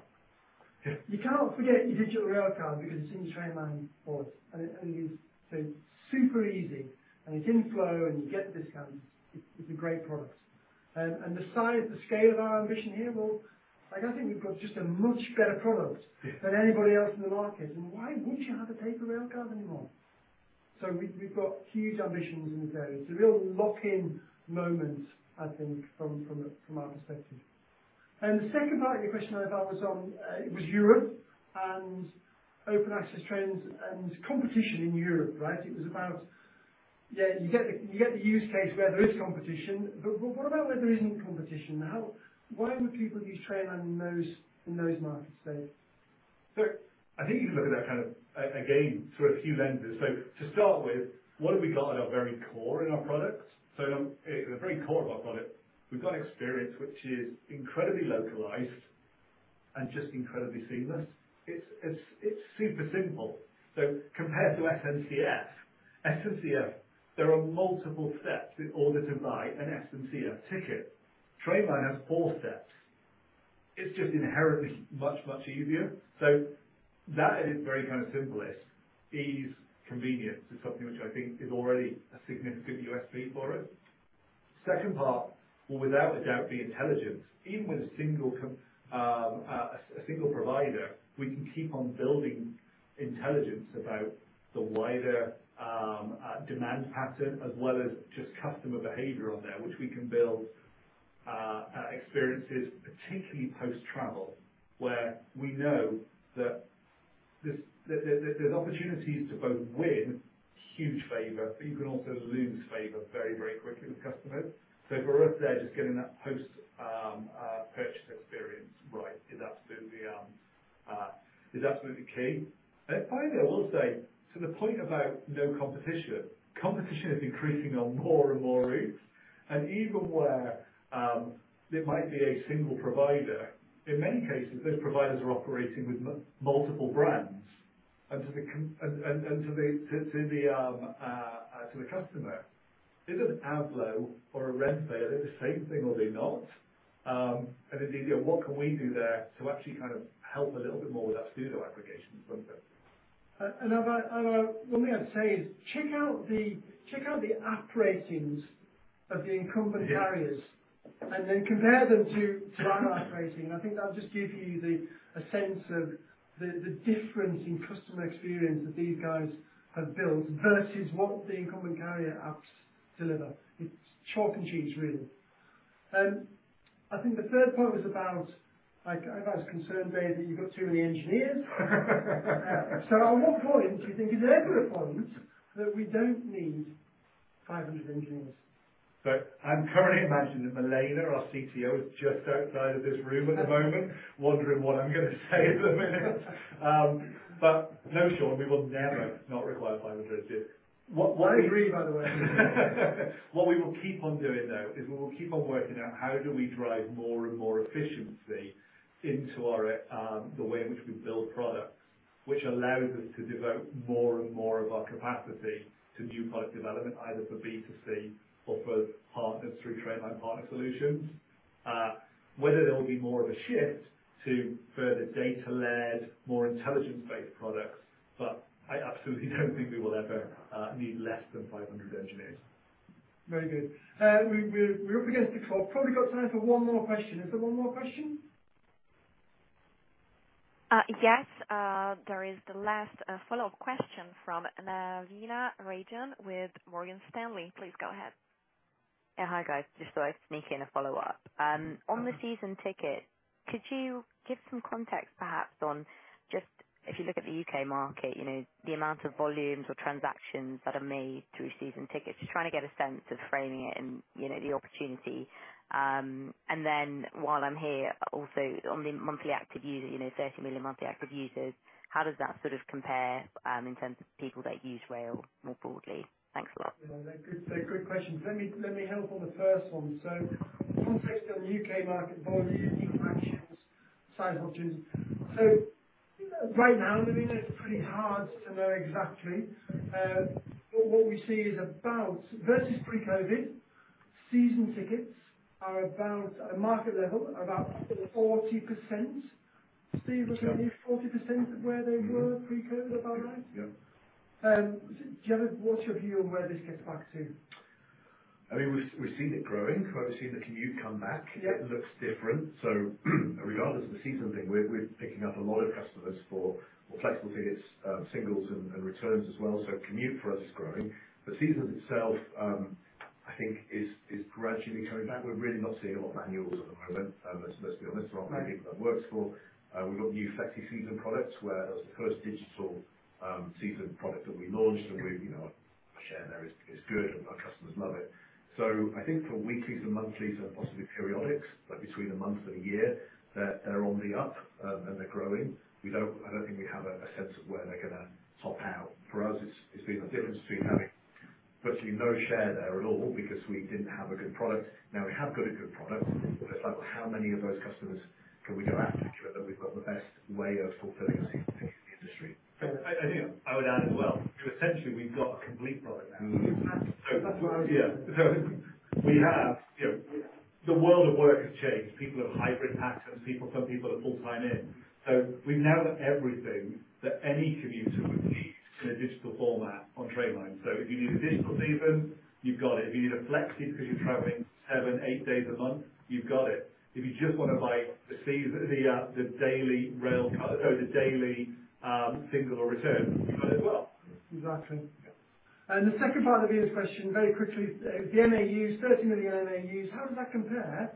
Speaker 1: You cannot forget your Digital Railcard because it's in your Apple Wallet. It is so super easy, and it's in flow, and you get the discounts. It's a great product. The size, the scale of our ambition here, well, like, I think we've got just a much better product than anybody else in the market. Why wouldn't you have a paper railcard anymore? We've got huge ambitions in this area. It's a real lock-in moment, I think, from our perspective. The second part of your question, I thought, was on it was Europe and open access trains and competition in Europe, right? It was about. Yeah, you get the use case where there is competition. What about where there isn't competition? Why would people use Trainline in those markets, Dave?
Speaker 2: I think you can look at that kind of again through a few lenses. To start with, what have we got at our very core in our products? At the very core of our product, we've got experience which is incredibly localized and just incredibly seamless. It's super simple. Compared to SNCF, there are multiple steps in order to buy an SNCF ticket. Trainline has four steps. It's just inherently much easier. That at its very kind of simplest, ease, convenience is something which I think is already a significant USP for us. Second part will without a doubt be intelligence. Even with a single provider, we can keep on building intelligence about the wider demand pattern as well as just customer behavior on there, which we can build experiences, particularly post-travel, where we know that there's opportunities to both win huge favor, but you can also lose favor very, very quickly with customers. If we're up there just getting that post purchase experience right is absolutely key. Finally, I will say to the point about no competition is increasing on more and more routes. Even where it might be a single provider, in many cases those providers are operating with multiple brands. To the customer, is it an Avlo or a Renfe? Are they the same thing or are they not? If they are, what can we do there to actually kind of help a little bit more with that pseudo aggregation point of it?
Speaker 1: One thing I'd say is check out the app ratings of the incumbent carriers. Compare them to Trainline app rating. I think that'll just give you a sense of the difference in customer experience that these guys have built versus what the incumbent carrier apps deliver. It's chalk and cheese, really. I think the third point was about, like, I was concerned, Dave, that you've got too many engineers. At what point do you think? Is there ever a point that we don't need 500 engineers?
Speaker 2: I'm currently imagining that Milena, our CTO, is just outside of this room at the moment wondering what I'm gonna say in a minute. No, Shaun, we will never not require 500 engineers.
Speaker 1: I agree, by the way.
Speaker 2: What we will keep on doing, though, is we will keep on working out how do we drive more and more efficiency into our the way in which we build products, which allows us to devote more and more of our capacity to new product development, either for B2C or for partners through Trainline Partner Solutions. Whether there will be more of a shift to further data-led, more intelligence-based products. I absolutely don't think we will ever need less than 500 engineers.
Speaker 1: Very good. We're up against the clock. Probably got time for one more question. Is there one more question?
Speaker 7: Yes. There is the last follow-up question from Navina Rajan with Morgan Stanley. Please go ahead.
Speaker 9: Yeah. Hi, guys. Just thought I'd sneak in a follow-up. On the season ticket, could you give some context perhaps on just if you look at the U.K. market, you know, the amount of volumes or transactions that are made through season tickets? Just trying to get a sense of framing it and, you know, the opportunity. While I'm here, also on the monthly active user, you know, 30 million monthly active users, how does that sort of compare in terms of people that use rail more broadly? Thanks a lot.
Speaker 1: Yeah, they're good. They're good questions. Let me help on the first one. Context on the U.K. market volume, transactions, size opportunities. Right now, Navina, it's pretty hard to know exactly. But what we see is about versus pre-COVID, season tickets are about, at a market level, about 40%. Steve, is that roughly 40% of where they were pre-COVID, about right?
Speaker 3: Yeah.
Speaker 1: What's your view on where this gets back to?
Speaker 3: I mean, we've seen it growing. We've seen the commute come back. It looks different. Regardless of the season thing, we're picking up a lot of customers for flexible tickets, singles and returns as well. Commute for us is growing. The seasons itself. I think it is gradually coming back. We're really not seeing a lot of annuals at the moment, let's be honest. We're not the product that works for. We've got new Flexi Season products where that's the first digital season product that we launched and we, you know, our share there is good, and our customers love it. I think for weeklies and monthlies and possibly periodics, like between a month and a year, they're on the up, and they're growing. I don't think we have a sense of where they're gonna top out. For us, it's been the difference between having virtually no share there at all because we didn't have a good product. Now we have a good product, but it's like, well, how many of those customers can we go after to ensure that we've got the best way of fulfilling a season ticket in the industry?
Speaker 2: I think I would add as well, essentially we've got a complete product now.
Speaker 1: Mm-hmm. That's what I was saying.
Speaker 2: Yeah. You know, the world of work has changed. People have hybrid patterns. Some people are full-time in. We now have everything that any commuter would need in a digital format on Trainline. If you need a Digital Season, you've got it. If you need a Flexi because you're traveling seven, eight days a month, you've got it. If you just wanna buy the season, the daily single or return, you've got it as well.
Speaker 1: Exactly. The second part of Navina's question, very quickly, the MAUs, 30 million MAUs, how does that compare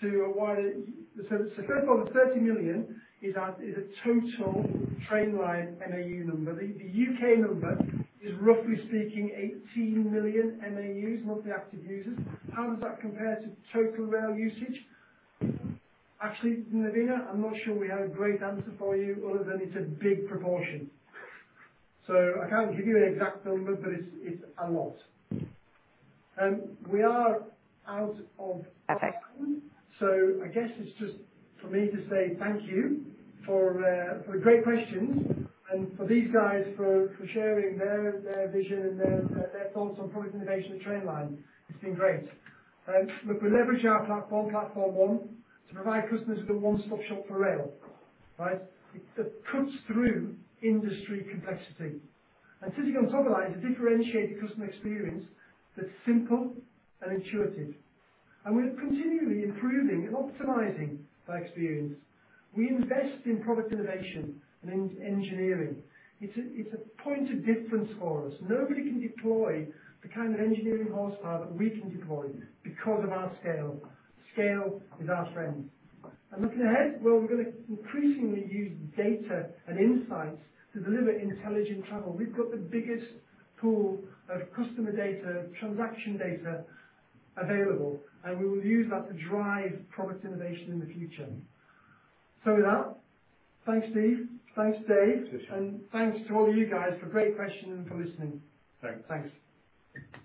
Speaker 1: to a wider rail usage? First of all, the 30 million is our, is the total Trainline MAU number. The U.K. number is roughly speaking 18 million MAUs, monthly active users. How does that compare to total rail usage? Actually, Navina, I'm not sure we have a great answer for you other than it's a big proportion. I can't give you an exact number, but it's a lot. We are out of time. I guess it's just for me to say thank you for the great questions and for these guys for sharing their vision and their thoughts on product innovation at Trainline. It's been great. Look, we leverage our platform, Platform One, to provide customers with a one-stop shop for rail. Right? It cuts through industry complexity. Sitting on top of that is a differentiated customer experience that's simple and intuitive. We're continually improving and optimizing that experience. We invest in product innovation and engineering. It's a point of difference for us. Nobody can deploy the kind of engineering horsepower that we can deploy because of our scale. Scale is our friend. Looking ahead, well, we're gonna increasingly use data and insights to deliver intelligent travel. We've got the biggest pool of customer data, transaction data available, and we will use that to drive product innovation in the future. With that, thanks Steve. Thanks Dave.
Speaker 2: Pleasure.
Speaker 1: Thanks to all you guys for great questions and for listening.
Speaker 2: Thanks.
Speaker 1: Thanks.